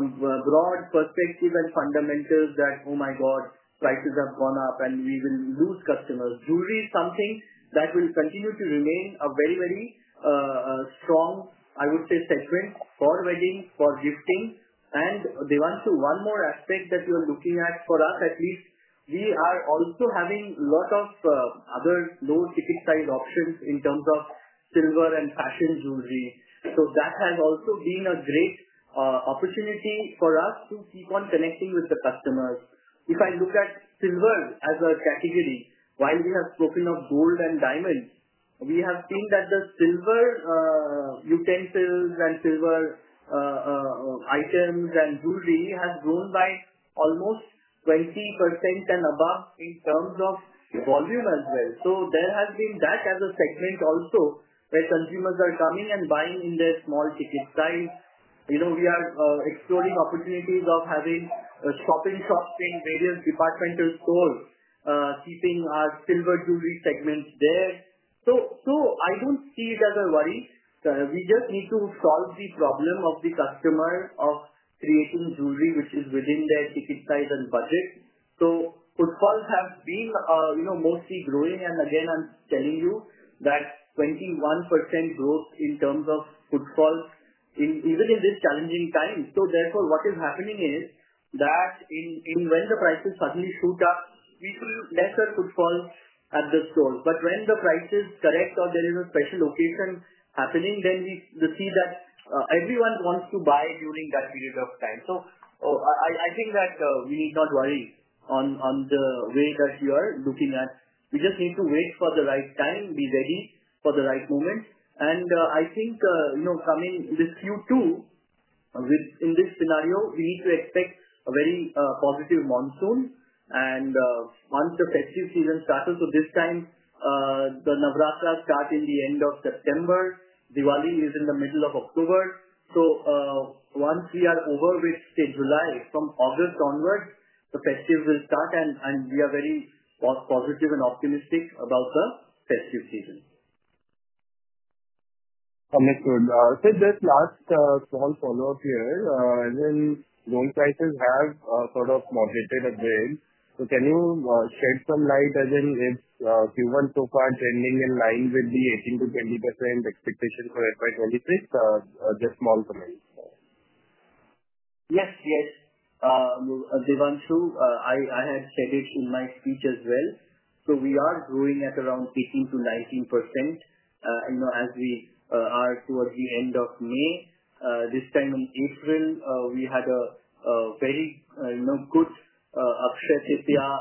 broad perspective and fundamentals that, "Oh my God, prices have gone up, and we will lose customers." Jewelry is something that will continue to remain a very, very strong, I would say, segment for weddings, for gifting. Devanshu, one more aspect that you are looking at, for us at least, we are also having a lot of other low-ticket size options in terms of silver and fashion jewelry. That has also been a great opportunity for us to keep on connecting with the customers. If I look at silver as a category, while we have spoken of gold and diamonds, we have seen that the silver utensils and silver items and jewelry have grown by almost 20% and above in terms of volume as well. There has been that as a segment also where consumers are coming and buying in their small-ticket size. We are exploring opportunities of having a shop-in-shop in various departmental stores, keeping our silver jewelry segment there. I do not see it as a worry. We just need to solve the problem of the customer of creating jewelry, which is within their ticket size and budget. Footfalls have been mostly growing. Again, I am telling you that 21% growth in terms of footfalls, even in this challenging time. Therefore, what is happening is that when the prices suddenly shoot up, we see lesser footfalls at the stores. When the prices correct or there is a special occasion happening, then we see that everyone wants to buy during that period of time. I think that we need not worry on the way that you are looking at. We just need to wait for the right time, be ready for the right moment. I think coming this Q2, in this scenario, we need to expect a very positive monsoon. Once the festive season starts, this time, the Navratra starts in the end of September. Diwali is in the middle of October. Once we are over with, say, July, from August onwards, the festivities will start. We are very positive and optimistic about the festive season.
Understood. Just last small follow-up here. As in, gold prices have sort of moderated a bit. Can you shed some light? As in, if you were so far trending in line with the 18%-20% expectation for FY2026, just small comments.
Yes, yes. Devanshu, I had said it in my speech as well. We are growing at around 18%-19% as we are towards the end of May. This time in April, we had a very good upshift here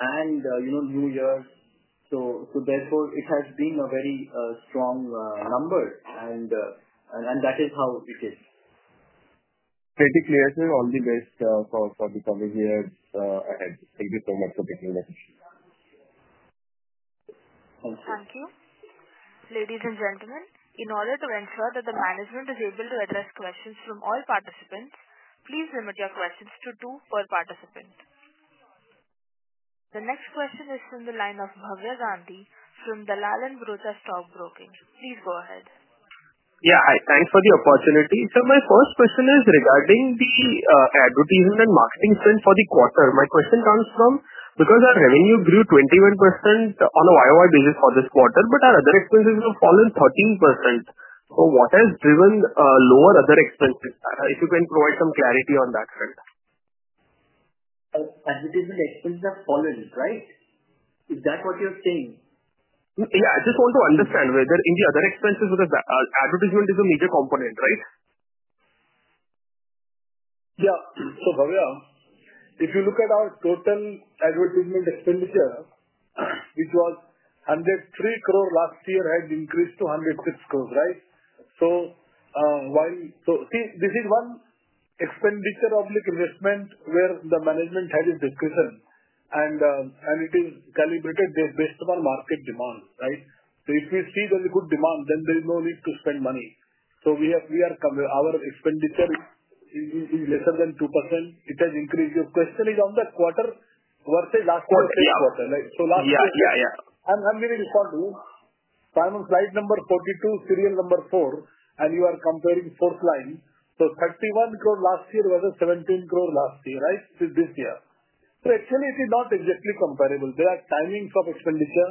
and New Year's. It has been a very strong number. That is how it is.
Very clear. All the best for the coming years ahead. Thank you so much for taking the time.
Thank you.
Thank you. Ladies and gentlemen, in order to ensure that the management is able to address questions from all participants, please limit your questions to two per participant. The next question is from the line of Bhavya Gandhi from Dalal and Broacha Stock Broking. Please go ahead.
Yeah, hi. Thanks for the opportunity. My first question is regarding the advertisement and marketing spend for the quarter. My question comes from because our revenue grew 21% on a YOY basis for this quarter, but our other expenses have fallen 13%. What has driven lower other expenses? If you can provide some clarity on that front.
Advertisement expenses have fallen, right? Is that what you're saying?
Yeah. I just want to understand whether in the other expenses because advertisement is a major component, right?
Yeah. Bhavya, if you look at our total advertisement expenditure, which was 103 crore last year, it had increased to 106 crore, right? This is one expenditure of investment where the management had a decision. It is calibrated based upon market demand, right? If we see there is good demand, then there is no need to spend money. Our expenditure is less than 2%. It has increased. Your question is on the quarter versus last year's quarter, right? Last year.
Yeah, yeah.
I'm going to respond to you. Slide number 42, serial number 4, and you are comparing fourth line. So 31 crore last year versus 17 crore this year, right? So actually, it is not exactly comparable. There are timings of expenditure.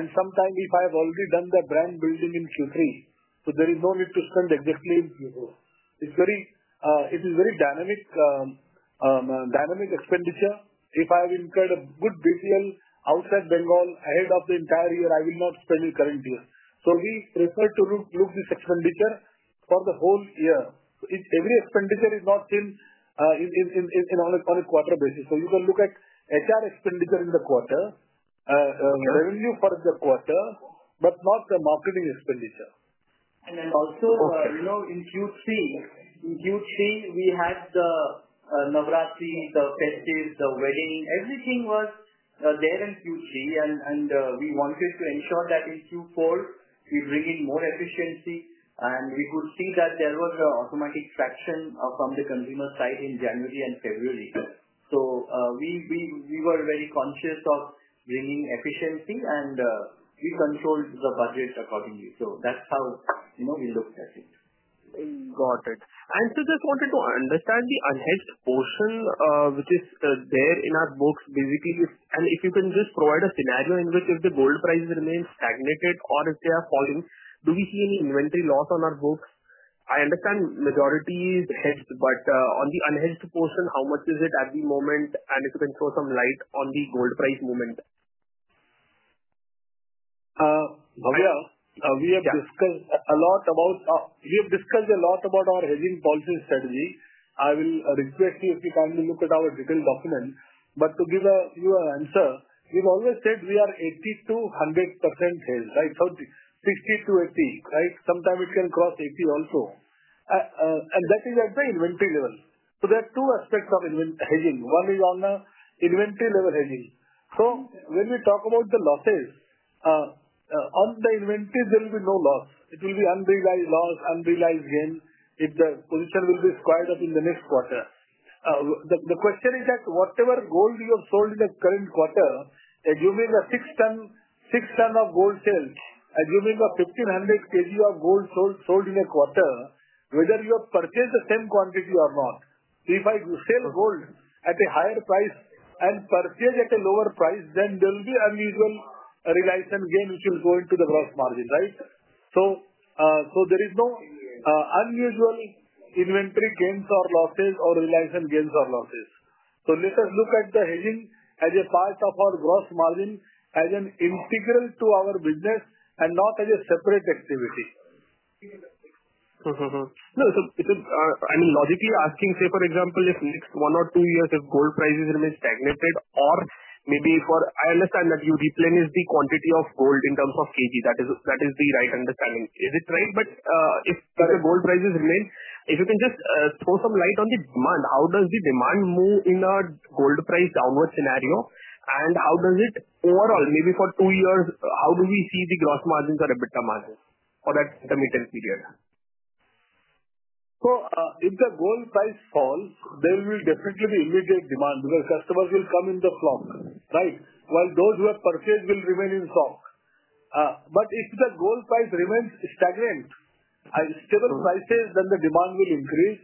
If I have already done the brand building in Q3, there is no need to spend exactly in Q4. It is very dynamic expenditure. If I have incurred a good BPL outside Bengal ahead of the entire year, I will not spend in current year. We prefer to look at this expenditure for the whole year. Every expenditure is not seen on a quarter basis. You can look at HR expenditure in the quarter, revenue for the quarter, but not the marketing expenditure.
In Q3, we had the Navratri, the festivities, the wedding. Everything was there in Q3. We wanted to ensure that in Q4, we bring in more efficiency. We could see that there was an automatic fraction from the consumer side in January and February. We were very conscious of bringing efficiency, and we controlled the budget accordingly. That is how we looked at it.
Got it. I also just wanted to understand the unhedged portion, which is there in our books, basically. If you can just provide a scenario in which if the gold price remains stagnated or if they are falling, do we see any inventory loss on our books? I understand majority is hedged, but on the unhedged portion, how much is it at the moment? If you can throw some light on the gold price movement.
Bhavya, we have discussed a lot about our hedging policy strategy. I will request you if you can look at our detailed document. To give you an answer, we have always said we are 80%-100% hedged, right? 60%-80%, right? Sometimes it can cross 80% also. That is at the inventory level. There are two aspects of hedging. One is on the inventory-level hedging. When we talk about the losses, on the inventory, there will be no loss. It will be unrealized loss, unrealized gain if the position will be squared up in the next quarter. The question is that whatever gold you have sold in the current quarter, assuming a 6 ton of gold sale, assuming a 1,500 kg of gold sold in a quarter, whether you have purchased the same quantity or not. If I sell gold at a higher price and purchase at a lower price, then there will be unusual realized gain, which will go into the gross margin, right? There is no unusual inventory gains or losses or realized gains or losses. Let us look at the hedging as a part of our gross margin, as an integral to our business, and not as a separate activity.
I mean, logically asking, say, for example, if next one or two years, if gold prices remain stagnated or maybe for I understand that you replenish the quantity of gold in terms of kg. That is the right understanding. Is it right? If the gold prices remain, if you can just throw some light on the demand, how does the demand move in a gold price downward scenario? How does it overall, maybe for two years, how do we see the gross margins or EBITDA margin for that intermittent period?
If the gold price falls, there will definitely be immediate demand because customers will come in the flock, right? While those who have purchased will remain in stock. If the gold price remains stagnant, stable prices, then the demand will increase.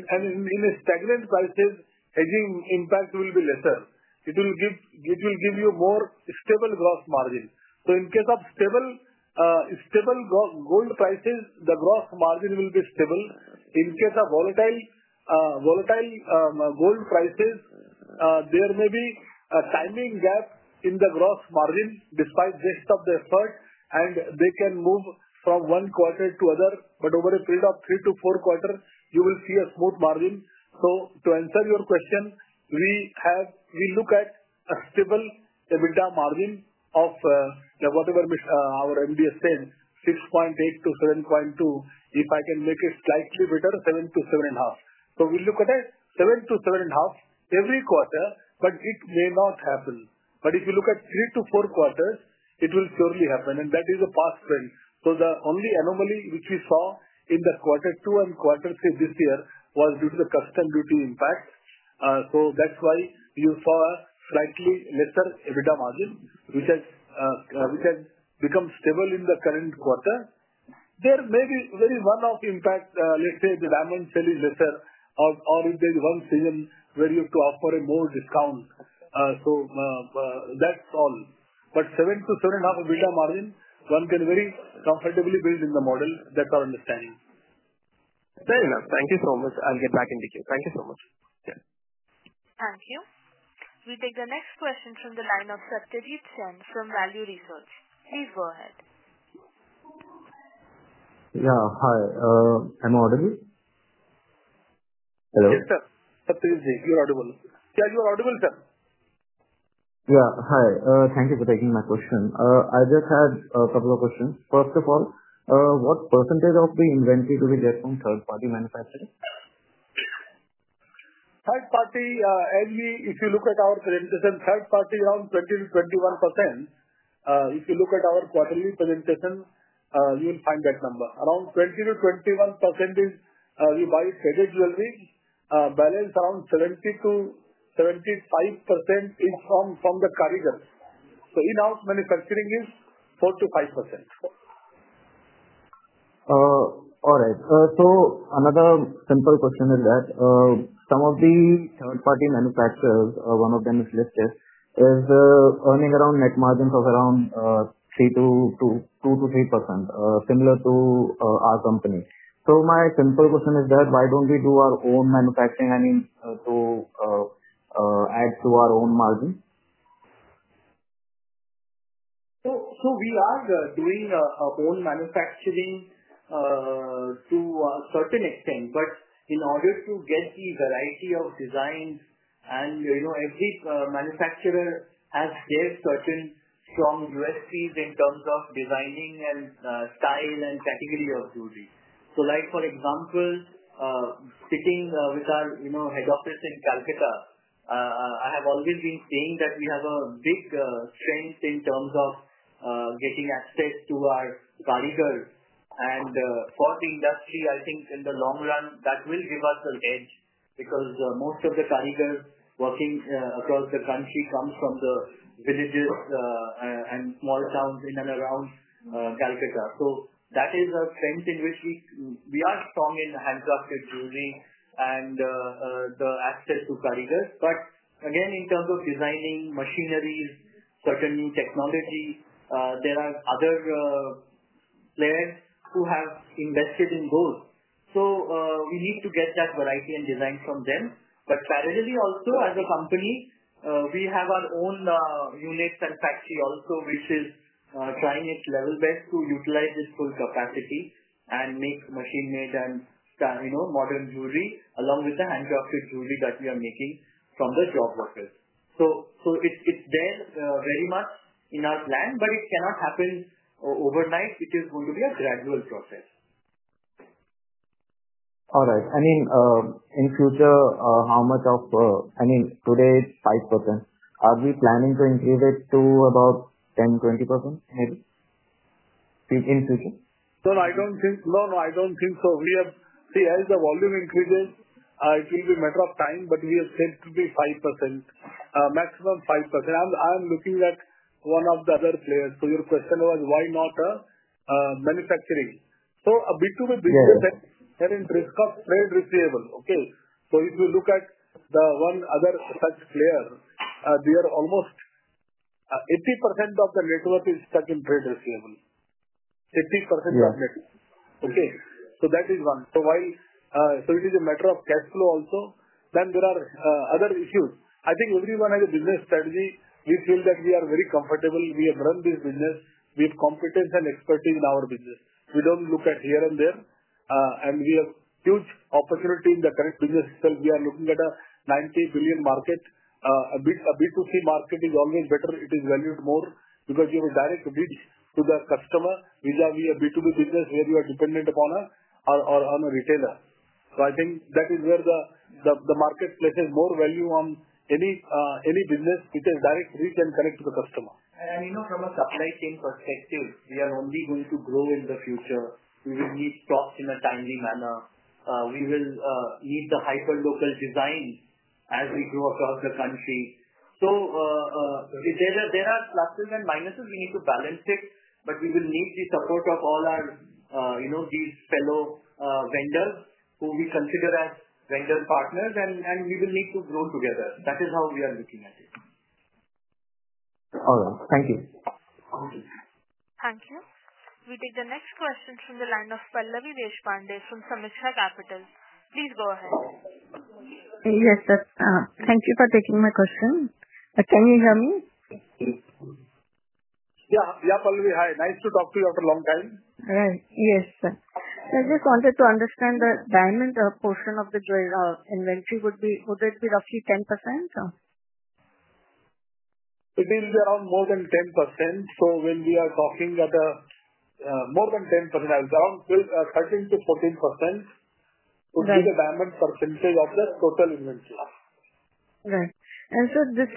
In stagnant prices, hedging impact will be lesser. It will give you more stable gross margin. In case of stable gold prices, the gross margin will be stable. In case of volatile gold prices, there may be a timing gap in the gross margin despite the rest of the effort, and they can move from one quarter to other. Over a period of three to four quarters, you will see a smooth margin. To answer your question, we look at a stable EBITDA margin of whatever our MD said, 6.8%-7.2%. If I can make it slightly better, 7%-7.5%. We look at it 7%-7.5% every quarter, but it may not happen. If you look at three to four quarters, it will surely happen, and that is a past trend. The only anomaly which we saw in quarter two and quarter three this year was due to the customs duty impact. That is why you saw a slightly lesser EBITDA margin, which has become stable in the current quarter. There may be a very one-off impact, let's say the diamond sale is lesser, or if there is one season where you have to offer a more discount. That is all. 7%-7.5% EBITDA margin, one can very comfortably build in the model. That is our understanding.
Very well. Thank you so much. I'll get back in detail. Thank you so much.
Thank you. We take the next question from the line of Satyajit Sen from Value Research. Please go ahead.
Yeah. Hi. Am I audible? Hello.
Yes, Saptadeep Ji, you're audible. Yeah, you're audible, Sir.
Yeah. Hi. Thank you for taking my question. I just had a couple of questions. First of all, what percentage of the inventory do we get from third-party manufacturing?
Third-party, if you look at our presentation, third-party around 20%-21%. If you look at our quarterly presentation, you will find that number. Around 20%-21% is we buy traded jewelry. Balance around 70%-75% is from the carriers. So in-house manufacturing is 4%-5%.
All right. So another simple question is that some of the third-party manufacturers, one of them is listed, is earning around net margins of around 2%-3%, similar to our company. So my simple question is that why don't we do our own manufacturing to add to our own margin?
We are doing our own manufacturing to a certain extent. In order to get the variety of designs, and every manufacturer has their certain strong USPs in terms of designing and style and category of jewelry. For example, speaking with our head office in Calcutta, I have always been saying that we have a big strength in terms of getting access to our karigars. For the industry, I think in the long run, that will give us an edge because most of the karigars working across the country come from the villages and small towns in and around Calcutta. That is a strength in which we are strong in handcrafted jewelry and the access to karigars. Again, in terms of designing machineries, certain new technology, there are other players who have invested in gold. We need to get that variety and design from them. Parallelly also, as a company, we have our own units and factory also, which is trying its level best to utilize its full capacity and make machine-made and modern jewelry along with the handcrafted jewelry that we are making from the job workers. It is very much in our plan, but it cannot happen overnight. It is going to be a gradual process.
All right. I mean, in future, how much of, I mean, today, 5%. Are we planning to increase it to about 10%, 20% maybe in future?
No, no, I don't think so. We have, see, as the volume increases, it will be a matter of time, but we have said to be 5%, maximum 5%. I am looking at one of the other players. Your question was, why not manufacturing? A B2B business and risk of trade receivable, okay? If you look at one other such player, almost 80% of the network is stuck in trade receivable, 80% of network, okay? That is one. It is a matter of cash flow also. There are other issues. I think everyone has a business strategy. We feel that we are very comfortable. We have run this business. We have competence and expertise in our business. We don't look at here and there. We have huge opportunity in the current business itself. We are looking at a 90 billion market. A B2C market is always better. It is valued more because you have a direct reach to the customer, which is a B2B business where you are dependent upon a retailer. I think that is where the market places more value on any business. It is direct reach and connect to the customer.
I mean, from a supply chain perspective, we are only going to grow in the future. We will need stocks in a timely manner. We will need the hyper-local design as we grow across the country. There are pluses and minuses. We need to balance it. We will need the support of all these fellow vendors who we consider as vendor partners. We will need to grow together. That is how we are looking at it.
All right. Thank you.
Thank you. We take the next question from the line of Pallavi Deshpande from Sameeksha Capital. Please go ahead.
Yes, Sir. Thank you for taking my question. Can you hear me?
Yeah. Yeah, Pallavi. Hi. Nice to talk to you after a long time.
Right. Yes, Sir. I just wanted to understand the diamond portion of the inventory. Would it be roughly 10%?
It will be around more than 10%. So when we are talking at more than 10%, around 13%-14% would be the diamond percentage of the total inventory.
Right. Sir, this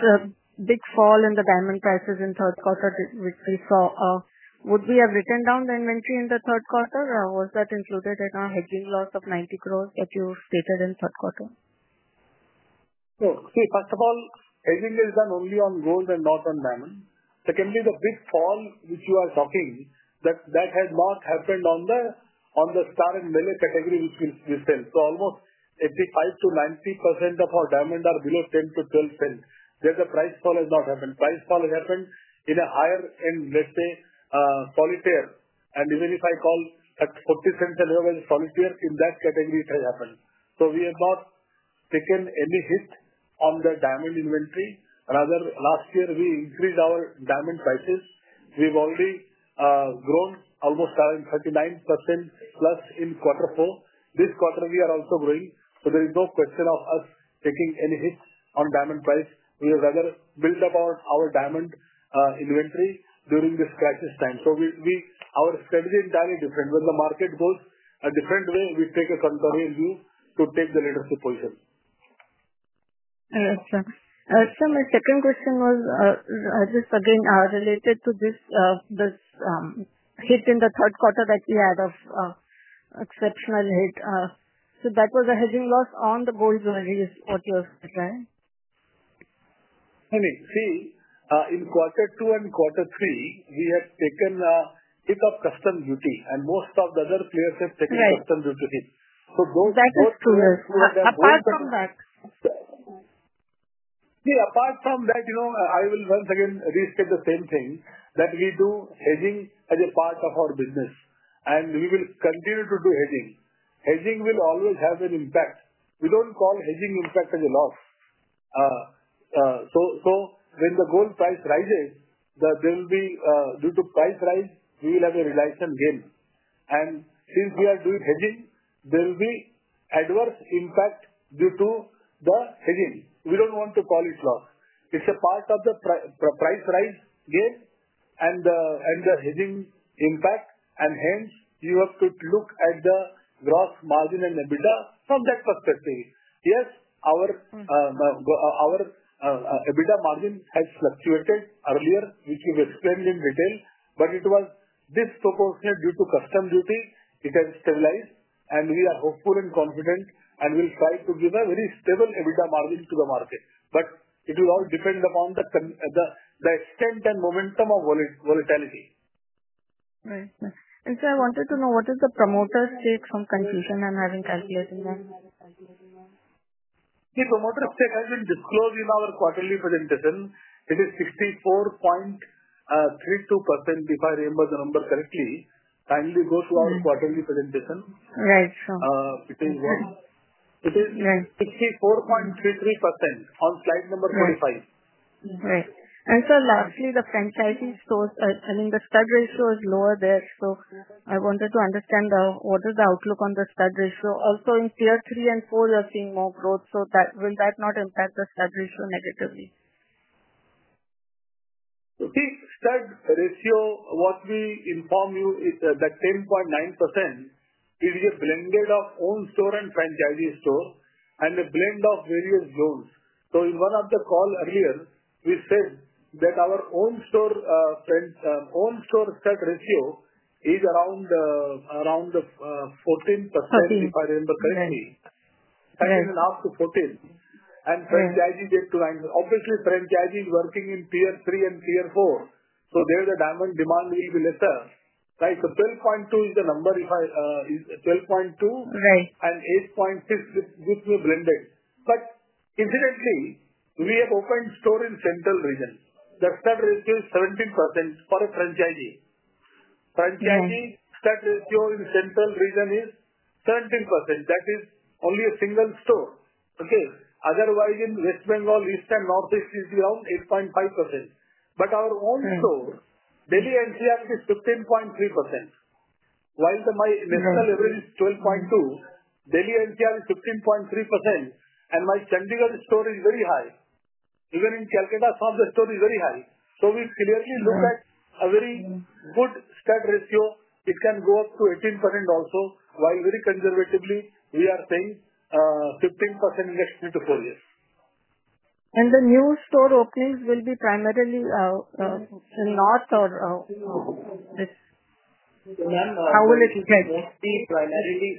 big fall in the diamond prices in the third quarter which we saw, would we have written down the inventory in the third quarter? Was that included in our hedging loss of 900,000,000 that you stated in the third quarter?
See, first of all, hedging is done only on gold and not on diamond. There can be the big fall which you are talking that has not happened on the star and melee category which we sell. So almost 85%-90% of our diamond are below 10%-12% sale. There's a price fall has not happened. Price fall has happened in a higher-end, let's say, solitaire. And even if I call at 40 cents and above as a solitaire, in that category, it has happened. We have not taken any hit on the diamond inventory. Rather, last year, we increased our diamond prices. We've already grown almost 39% plus in quarter four. This quarter, we are also growing. There is no question of us taking any hit on diamond price. We have rather built up our diamond inventory during this crisis time. Our strategy is entirely different. When the market goes a different way, we take a contrarian view to take the leadership position.
Yes, Sir. Sir, my second question was just again related to this hit in the third quarter that we had of exceptional hit. So that was a hedging loss on the gold jewelry, is what you have said, right?
I mean, see, in quarter two and quarter three, we have taken a hit of customs duty. Most of the other players have taken customs duty hit. Those two are good.
That is true. Apart from that.
See, apart from that, I will once again restate the same thing that we do hedging as a part of our business. We will continue to do hedging. Hedging will always have an impact. We do not call hedging impact as a loss. When the gold price rises, there will be, due to price rise, we will have a realization gain. Since we are doing hedging, there will be adverse impact due to the hedging. We do not want to call it loss. It is a part of the price rise gain and the hedging impact. Hence, you have to look at the gross margin and EBITDA from that perspective. Yes, our EBITDA margin has fluctuated earlier, which we have explained in detail. It was disproportionate due to customs duty. It has stabilized. We are hopeful and confident and will try to give a very stable EBITDA margin to the market. It will all depend upon the extent and momentum of volatility.
Right. Sir, I wanted to know what is the promoter's take from confusion and having calculated that?
The promoter's take has been disclosed in our quarterly presentation. It is 64.32% if I remember the number correctly. Kindly go to our quarterly presentation.
Right. So.
It is 64.33% on slide number 45.
Right. Sir, lastly, the franchisee's stores are selling. The stud ratio is lower there. I wanted to understand what is the outlook on the stud ratio. Also, in tier three and four, you are seeing more growth. Will that not impact the stud ratio negatively?
See, stud ratio, what we inform you, is that 10.9% is a blended of own store and franchisee store and a blend of various zones. In one of the calls earlier, we said that our own store stud ratio is around 14% if I remember correctly, 13.5%-14%. Franchisee gets to 9.0. Obviously, franchisee is working in tier three and tier four. There the diamond demand will be lesser, right? 12.2% is the number if I—12.2% and 8.6% which we have blended. Incidentally, we have opened store in central region. The stud ratio is 17% for a franchisee. Franchisee stud ratio in central region is 17%. That is only a single store, okay? Otherwise, in West Bengal, east and northeast, it is around 8.5%. Our own store, Delhi NCR, is 15.3%. While my national average is 12.2%, Delhi NCR is 15.3%. My Chandigarh store is very high. Even in Calcutta, some of the store is very high. We clearly look at a very good stud ratio. It can go up to 18% also. While very conservatively, we are saying 15% next three to four years.
The new store openings will be primarily in North or how will it get?
Mainly, primarily,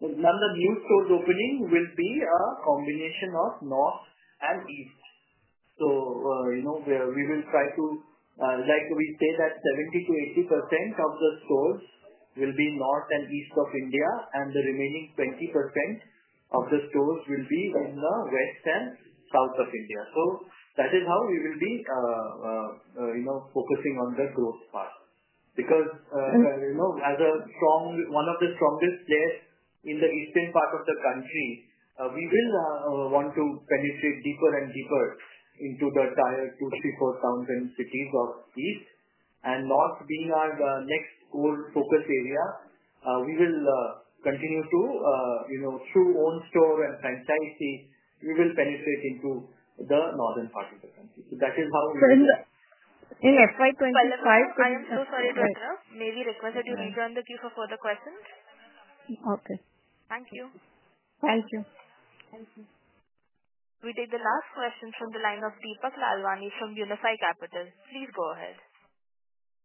the new stores opening will be a combination of north and east. We will try to, like we said, that 70%-80% of the stores will be north and east of India. The remaining 20% of the stores will be in the west and south of India. That is how we will be focusing on the growth part. Because as one of the strongest players in the eastern part of the country, we will want to penetrate deeper and deeper into the entire two, three, four towns and cities of east. North being our next core focus area, we will continue to, through own store and franchisee, we will penetrate into the northern part of the country. That is how we will.
In FY25.
I am so sorry, Dwipta]. May we request that you rerun the queue for further questions?
Okay.
Thank you.
Thank you.
Thank you. We take the last question from the line of Deepak Lalwani from Unifi Capital. Please go ahead.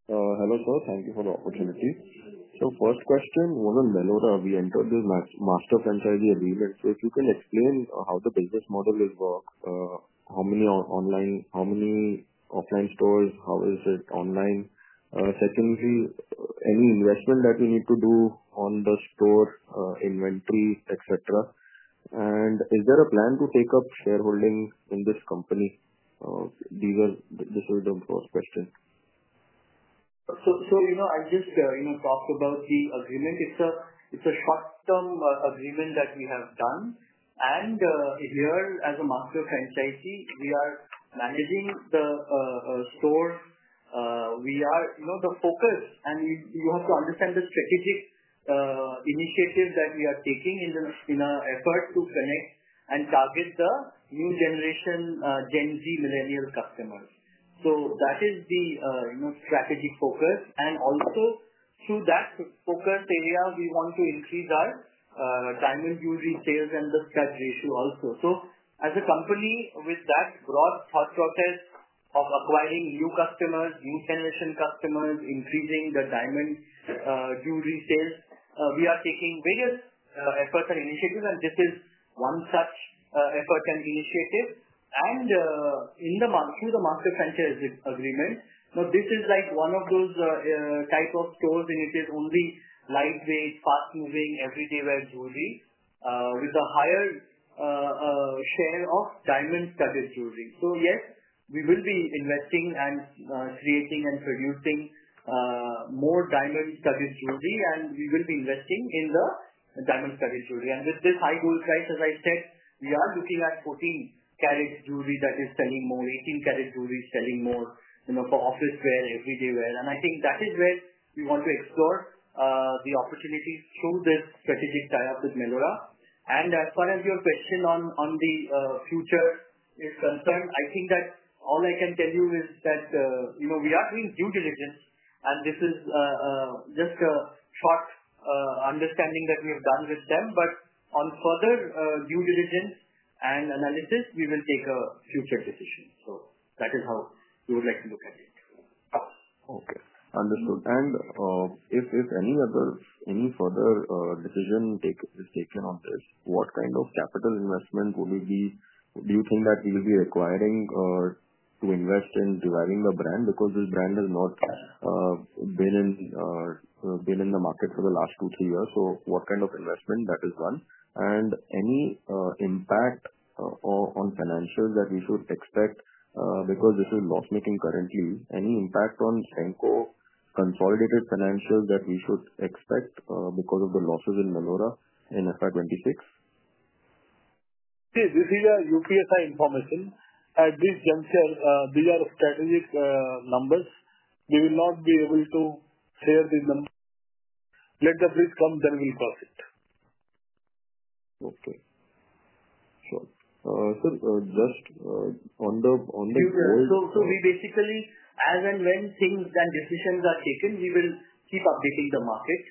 Hello, Sir. Thank you for the opportunity. First question, when in Mellora, we entered the master franchisee agreement. If you can explain how the business model will work, how many online, how many offline stores, how is it online? Secondly, any investment that we need to do on the store, inventory, etc.? Is there a plan to take up shareholding in this company? This is the first question.
I just talked about the agreement. It's a short-term agreement that we have done. Here, as a master franchisee, we are managing the stores. We are the focus, and you have to understand the strategic initiative that we are taking in our effort to connect and target the new generation, Gen Z, millennial customers. That is the strategic focus. Also, through that focus area, we want to increase our diamond jewelry sales and the stud ratio also. As a company, with that broad thought process of acquiring new customers, new generation customers, increasing the diamond jewelry sales, we are taking various efforts and initiatives. This is one such effort and initiative. Through the master franchise agreement, now, this is like one of those types of stores. It is only lightweight, fast-moving, everyday wear jewelry with a higher share of diamond studded jewelry. Yes, we will be investing and creating and producing more diamond studded jewelry. We will be investing in the diamond studded jewelry. With this high gold price, as I said, we are looking at 14-carat jewelry that is selling more, 18-carat jewelry selling more for office wear, everyday wear. I think that is where we want to explore the opportunities through this strategic tie-up with Mellora. As far as your question on the future is concerned, I think that all I can tell you is that we are doing due diligence. This is just a short understanding that we have done with them. On further due diligence and analysis, we will take a future decision. That is how we would like to look at it.
Okay. Understood. If any further decision is taken on this, what kind of capital investment will it be? Do you think that we will be requiring to invest in deriving the brand? Because this brand has not been in the market for the last two, three years. What kind of investment is done? Any impact on financials that we should expect? Because this is loss-making currently, any impact on Senco consolidated financials that we should expect because of the losses in Mellora in FY 2026?
See, this is a UPSI information. At this juncture, these are strategic numbers. We will not be able to share these numbers. Let the bridge come, then we'll cross it.
Okay. Sure. Sir, just on the gold.
We basically, as and when things and decisions are taken, will keep updating the market.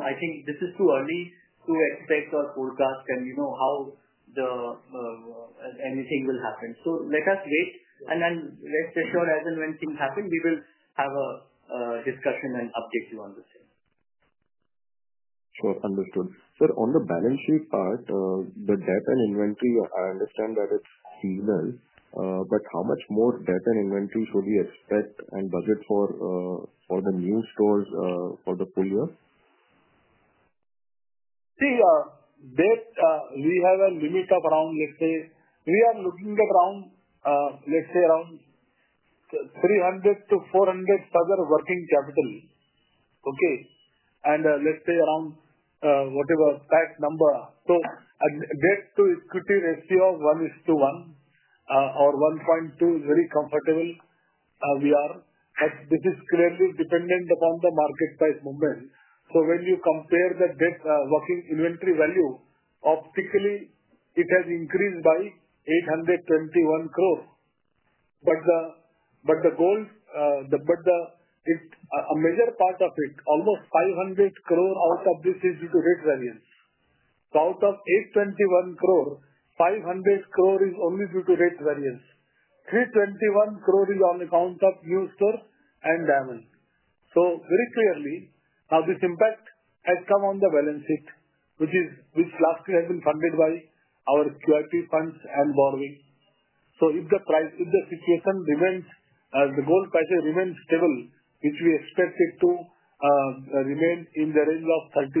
I think this is too early to expect or forecast how anything will happen. Let us wait. Let's assure as and when things happen, we will have a discussion and update you on this thing.
Sure. Understood. Sir, on the balance sheet part, the debt and inventory, I understand that it's seasonal. How much more debt and inventory should we expect and budget for the new stores for the full year?
See, debt, we have a limit of around, let's say, we are looking at around, let's say, around 300 crore-400 crore further working capital. Okay? And let's say around whatever PAT number. So debt to equity ratio of 1:1 or 1.2 is very comfortable we are. This is clearly dependent upon the market price movement. When you compare the debt working inventory value, optically, it has increased by 821 crore. The gold, a major part of it, almost 500 crore out of this is due to rate variance. Out of 821 crore, 500 crore is only due to rate variance. 321 crore is on account of new store and diamond. Very clearly, now, this impact has come on the balance sheet, which lastly has been funded by our QIP funds and borrowing. If the situation remains as the gold price remains stable, which we expect it to remain in the range of 3,300-3,500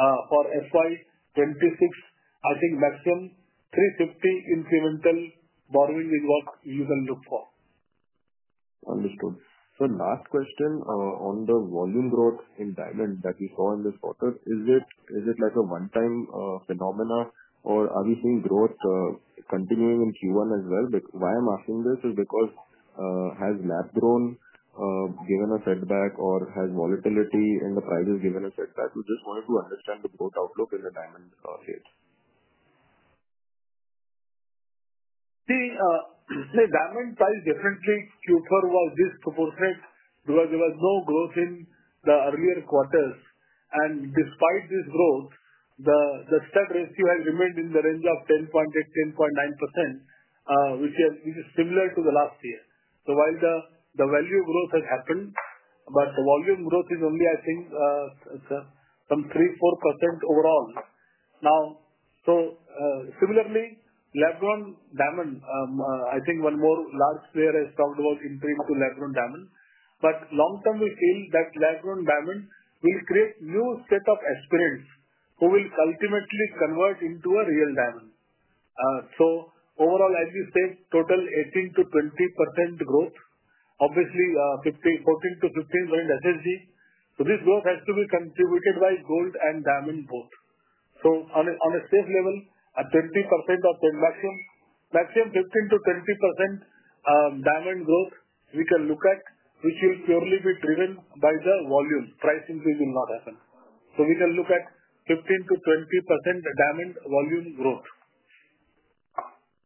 for FY2026, I think maximum 350 incremental borrowing is what you can look for.
Understood. Sir, last question on the volume growth in diamond that we saw in this quarter. Is it like a one-time phenomena, or are we seeing growth continuing in Q1 as well? Why I'm asking this is because has lab grown given a setback, or has volatility in the prices given a setback? We just wanted to understand the growth outlook in the diamond state.
See, diamond price definitely Q4 was disproportionate because there was no growth in the earlier quarters. Despite this growth, the stud ratio has remained in the range of 10.8%-10.9%, which is similar to last year. While the value growth has happened, the volume growth is only, I think, some 3%-4% overall. Similarly, lab-grown diamond, I think one more large player has talked about entering into lab-grown diamond. Long-term, we feel that lab-grown diamond will create a new set of aspirants who will ultimately convert into a real diamond. Overall, as you said, total 18%-20% growth, obviously 14%-15% SSG. This growth has to be contributed by gold and diamond both. On a safe level, at 20% or maximum 15%-20% diamond growth, we can look at, which will purely be driven by the volume. Price increase will not happen. So we can look at 15%-20% diamond volume growth.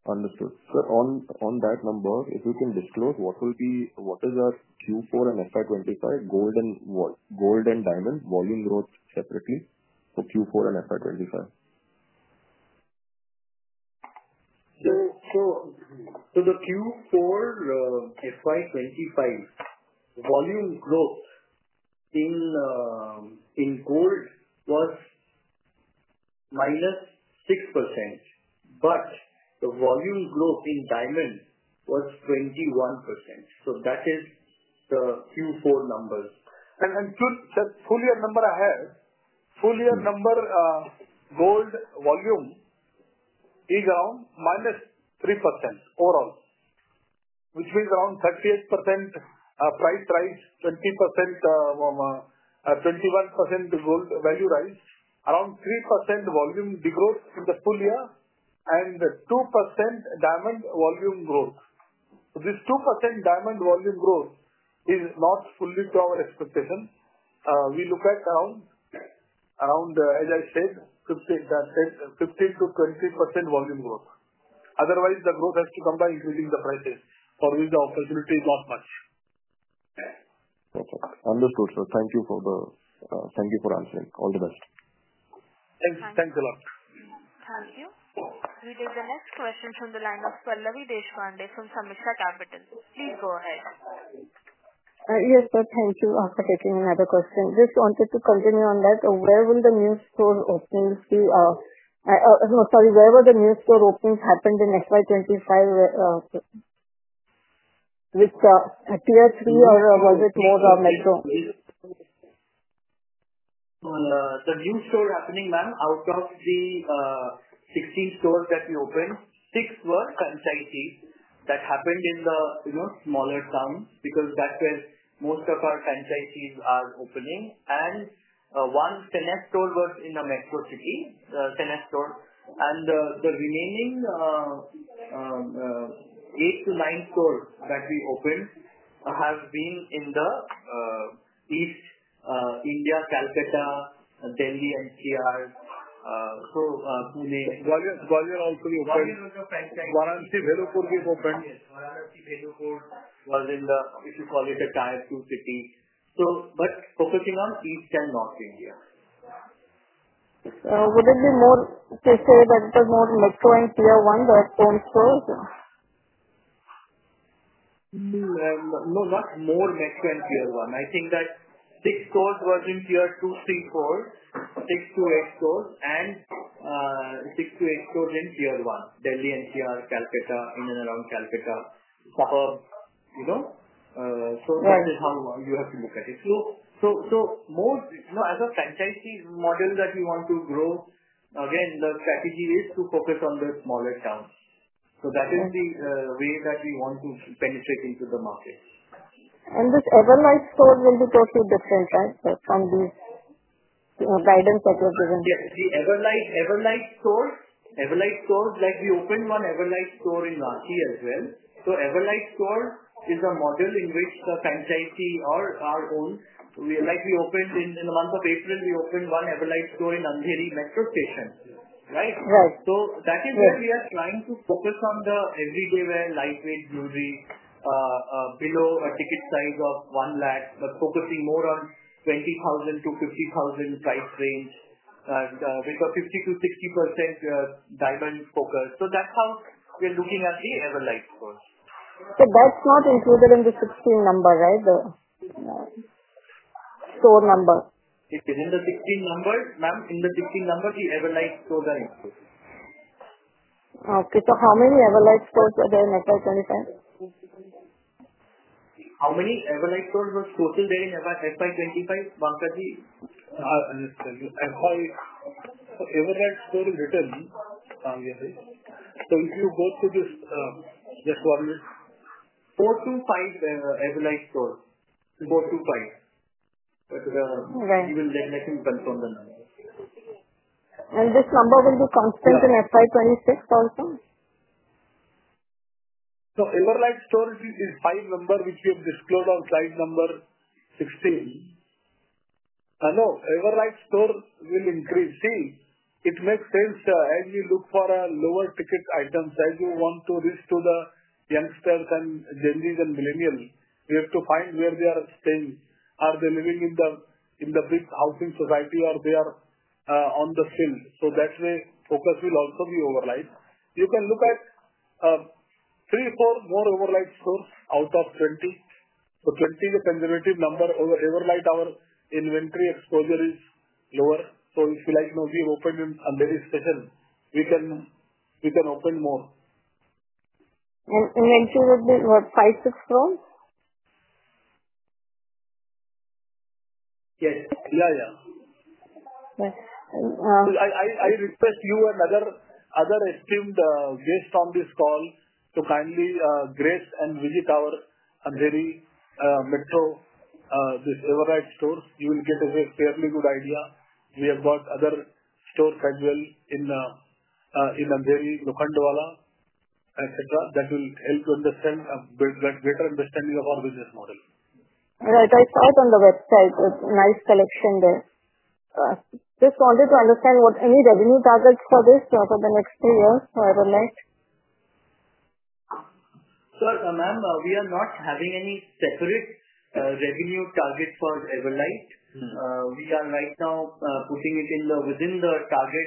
Understood. Sir, on that number, if you can disclose, what is our Q4 and FY25 gold and diamond volume growth separately for Q4 and FY25?
The Q4 FY2025 volume growth in gold was -6%. The volume growth in diamond was 21%. That is the Q4 numbers.
Just full year number I have, full year number gold volume is around minus 3% overall, which means around 38% price rise, 21% gold value rise, around 3% volume degrowth in the full year, and 2% diamond volume growth. This 2% diamond volume growth is not fully to our expectation. We look at around, as I said, 15%-20% volume growth. Otherwise, the growth has to come by increasing the prices, or the opportunity is not much.
Perfect. Understood, sir. Thank you for answering. All the best.
Thanks. Thanks a lot.
Thank you. We take the next question from the line of Pallavi Deshpande from Sameeksha Capital. Please go ahead.
Yes, sir. Thank you for taking another question. Just wanted to continue on that. Where will the new store openings be? No, sorry. Where will the new store openings happen in FY 2025? With Tier 3, or was it more Metro?
The new store happening, ma'am, out of the 16 stores that we opened, 6 were franchisees that happened in the smaller towns because that's where most of our franchisees are opening. One finest store was in the Metro City, finest store. The remaining 8-9 stores that we opened have been in East India, Calcutta, Delhi NCR, so Pune.
Where were also the openings?
Varanasi Vellupur was opened. Yes. Varanasi Vellupur was in the, if you call it a Tier 2 city. But focusing on East and North India.
Would it be more to say that it was more Metro and Tier 1, the own stores?
No, not more Metro and Tier 1. I think that six stores were in Tier 2, 3, 4, six to eight stores, and six to eight stores in Tier 1, Delhi NCR, Calcutta, in and around Calcutta, suburbs. That is how you have to look at it. As a franchisee model that we want to grow, again, the strategy is to focus on the smaller towns. That is the way that we want to penetrate into the market.
This Everlight store will be totally different, right, from these guidance that you have given?
Yes. The Everlight store, Everlight store, like we opened one Everlight store in Rashi as well. Everlight store is a model in which the franchisee or our own, like we opened in the month of April, we opened one Everlight store in Andheri Metro Station, right?
Right.
That is where we are trying to focus on the everyday wear, lightweight jewelry below a ticket size of 100,000, but focusing more on the 20,000-50,000 price range with a 50%-60% diamond focus. That is how we are looking at the Everlight stores.
So that's not included in the 16 number, right, the store number?
It is in the 16 number, ma'am. In the 16 number, the Everlight store is included.
Okay. So how many Everlight stores were there in FY 2025?
How many Everlight stores were total there in FY25? Bankaji, sorry.
Everlight store is written, so if you go to this just one minute.
Four to five Everlight stores, four to five. But we will let him confirm the number.
Will this number be constant in FY 2026 also?
Everlight store is five number, which we have disclosed outside number sixteen. No, Everlight store will increase. See, it makes sense as you look for lower ticket items. As you want to reach to the youngsters and Gen Zs and millennials, we have to find where they are staying. Are they living in the big housing society, or they are on the sill? That way, focus will also be Everlight. You can look at three, four more Everlight stores out of twenty. Twenty is a conservative number. Everlight, our inventory exposure is lower. If you like, we have opened in Andheri Station, we can open more.
Inventory would be what, five, six stores?
Yes. Yeah.
Yes.
I request you another estimate based on this call. Kindly grace and visit our Andheri Metro, this Everlight stores. You will get a fairly good idea. We have got other stores as well in Andheri, Lokhandwala, etc. That will help you understand a better understanding of our business model.
Right. I saw it on the website. It's a nice collection there. Just wanted to understand what any revenue targets for this for the next two years for Everlight?
Sir, ma'am, we are not having any separate revenue target for Everlight. We are right now putting it within the target.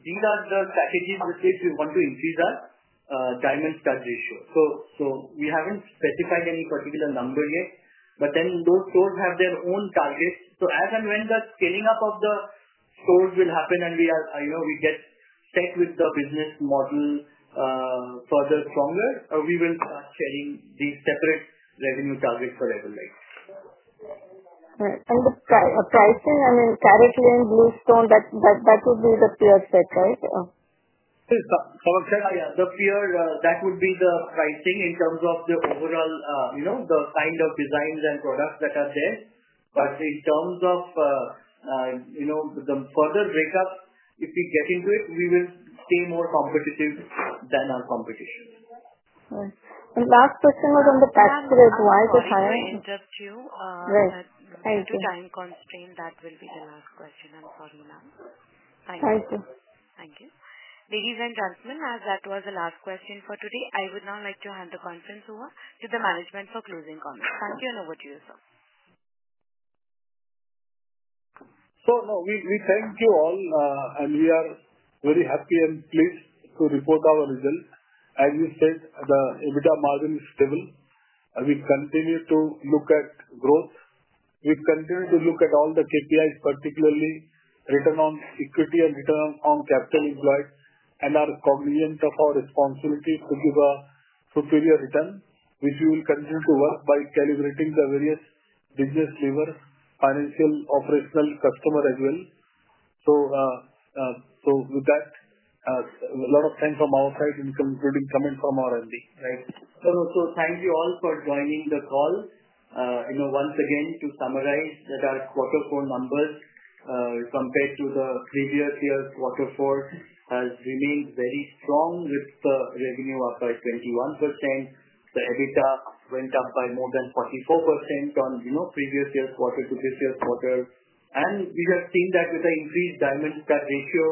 These are the strategies with which we want to increase our diamond stud ratio. We have not specified any particular number yet. Those stores have their own targets. As and when the scaling up of the stores will happen and we get set with the business model further stronger, we will start sharing these separate revenue targets for Everlight.
Right. The pricing, I mean, CaratLane, Bluestone, that would be the Pure set, right?
Yeah. The Pure, that would be the pricing in terms of the overall kind of designs and products that are there. In terms of the further breakup, if we get into it, we will stay more competitive than our competition.
Right. The last question was on the tax rate. Why is it higher?
Just two.
Right. Thank you.
Time constraint. That will be the last question. I'm sorry, ma'am.
Thank you.
Thank you. Ladies and gentlemen, that was the last question for today. I would now like to hand the conference over to the management for closing comments. Thank you and over to you, sir.
No, we thank you all, and we are very happy and pleased to report our results. As you said, the EBITDA margin is stable. We continue to look at growth. We continue to look at all the KPIs, particularly return on equity and return on capital employed, and our cognizance of our responsibility to give a superior return, which we will continue to work by calibrating the various business levers, financial, operational, customer as well. With that, a lot of thanks from our side, including comments from our MD, right?
Thank you all for joining the call. Once again, to summarize, our Q4 numbers compared to the previous year's Q4 have remained very strong with the revenue up by 21%. The EBITDA went up by more than 44% on previous year's quarter to this year's quarter. We have seen that with the increased diamond stud ratio,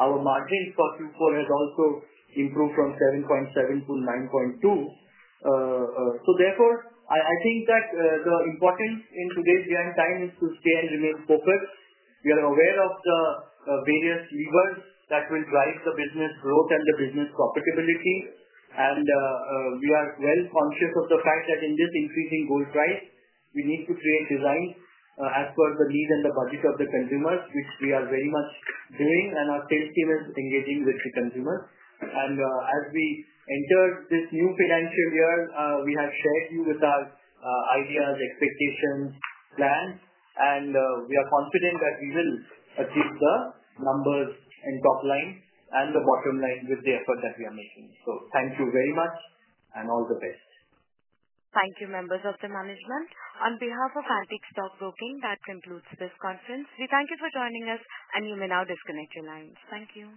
our margin for Q4 has also improved from 7.7% to 9.2%. Therefore, I think that the importance in today's real time is to stay and remain focused. We are aware of the various levers that will drive the business growth and the business profitability. We are well conscious of the fact that in this increasing gold price, we need to create designs as per the need and the budget of the consumers, which we are very much doing. Our sales team is engaging with the consumers. As we enter this new financial year, we have shared you with our ideas, expectations, plans, and we are confident that we will achieve the numbers in top line and the bottom line with the effort that we are making. Thank you very much and all the best.
Thank you, members of the management. On behalf of Antique Stock Broking Limited, that concludes this conference. We thank you for joining us, and you may now disconnect your lines. Thank you.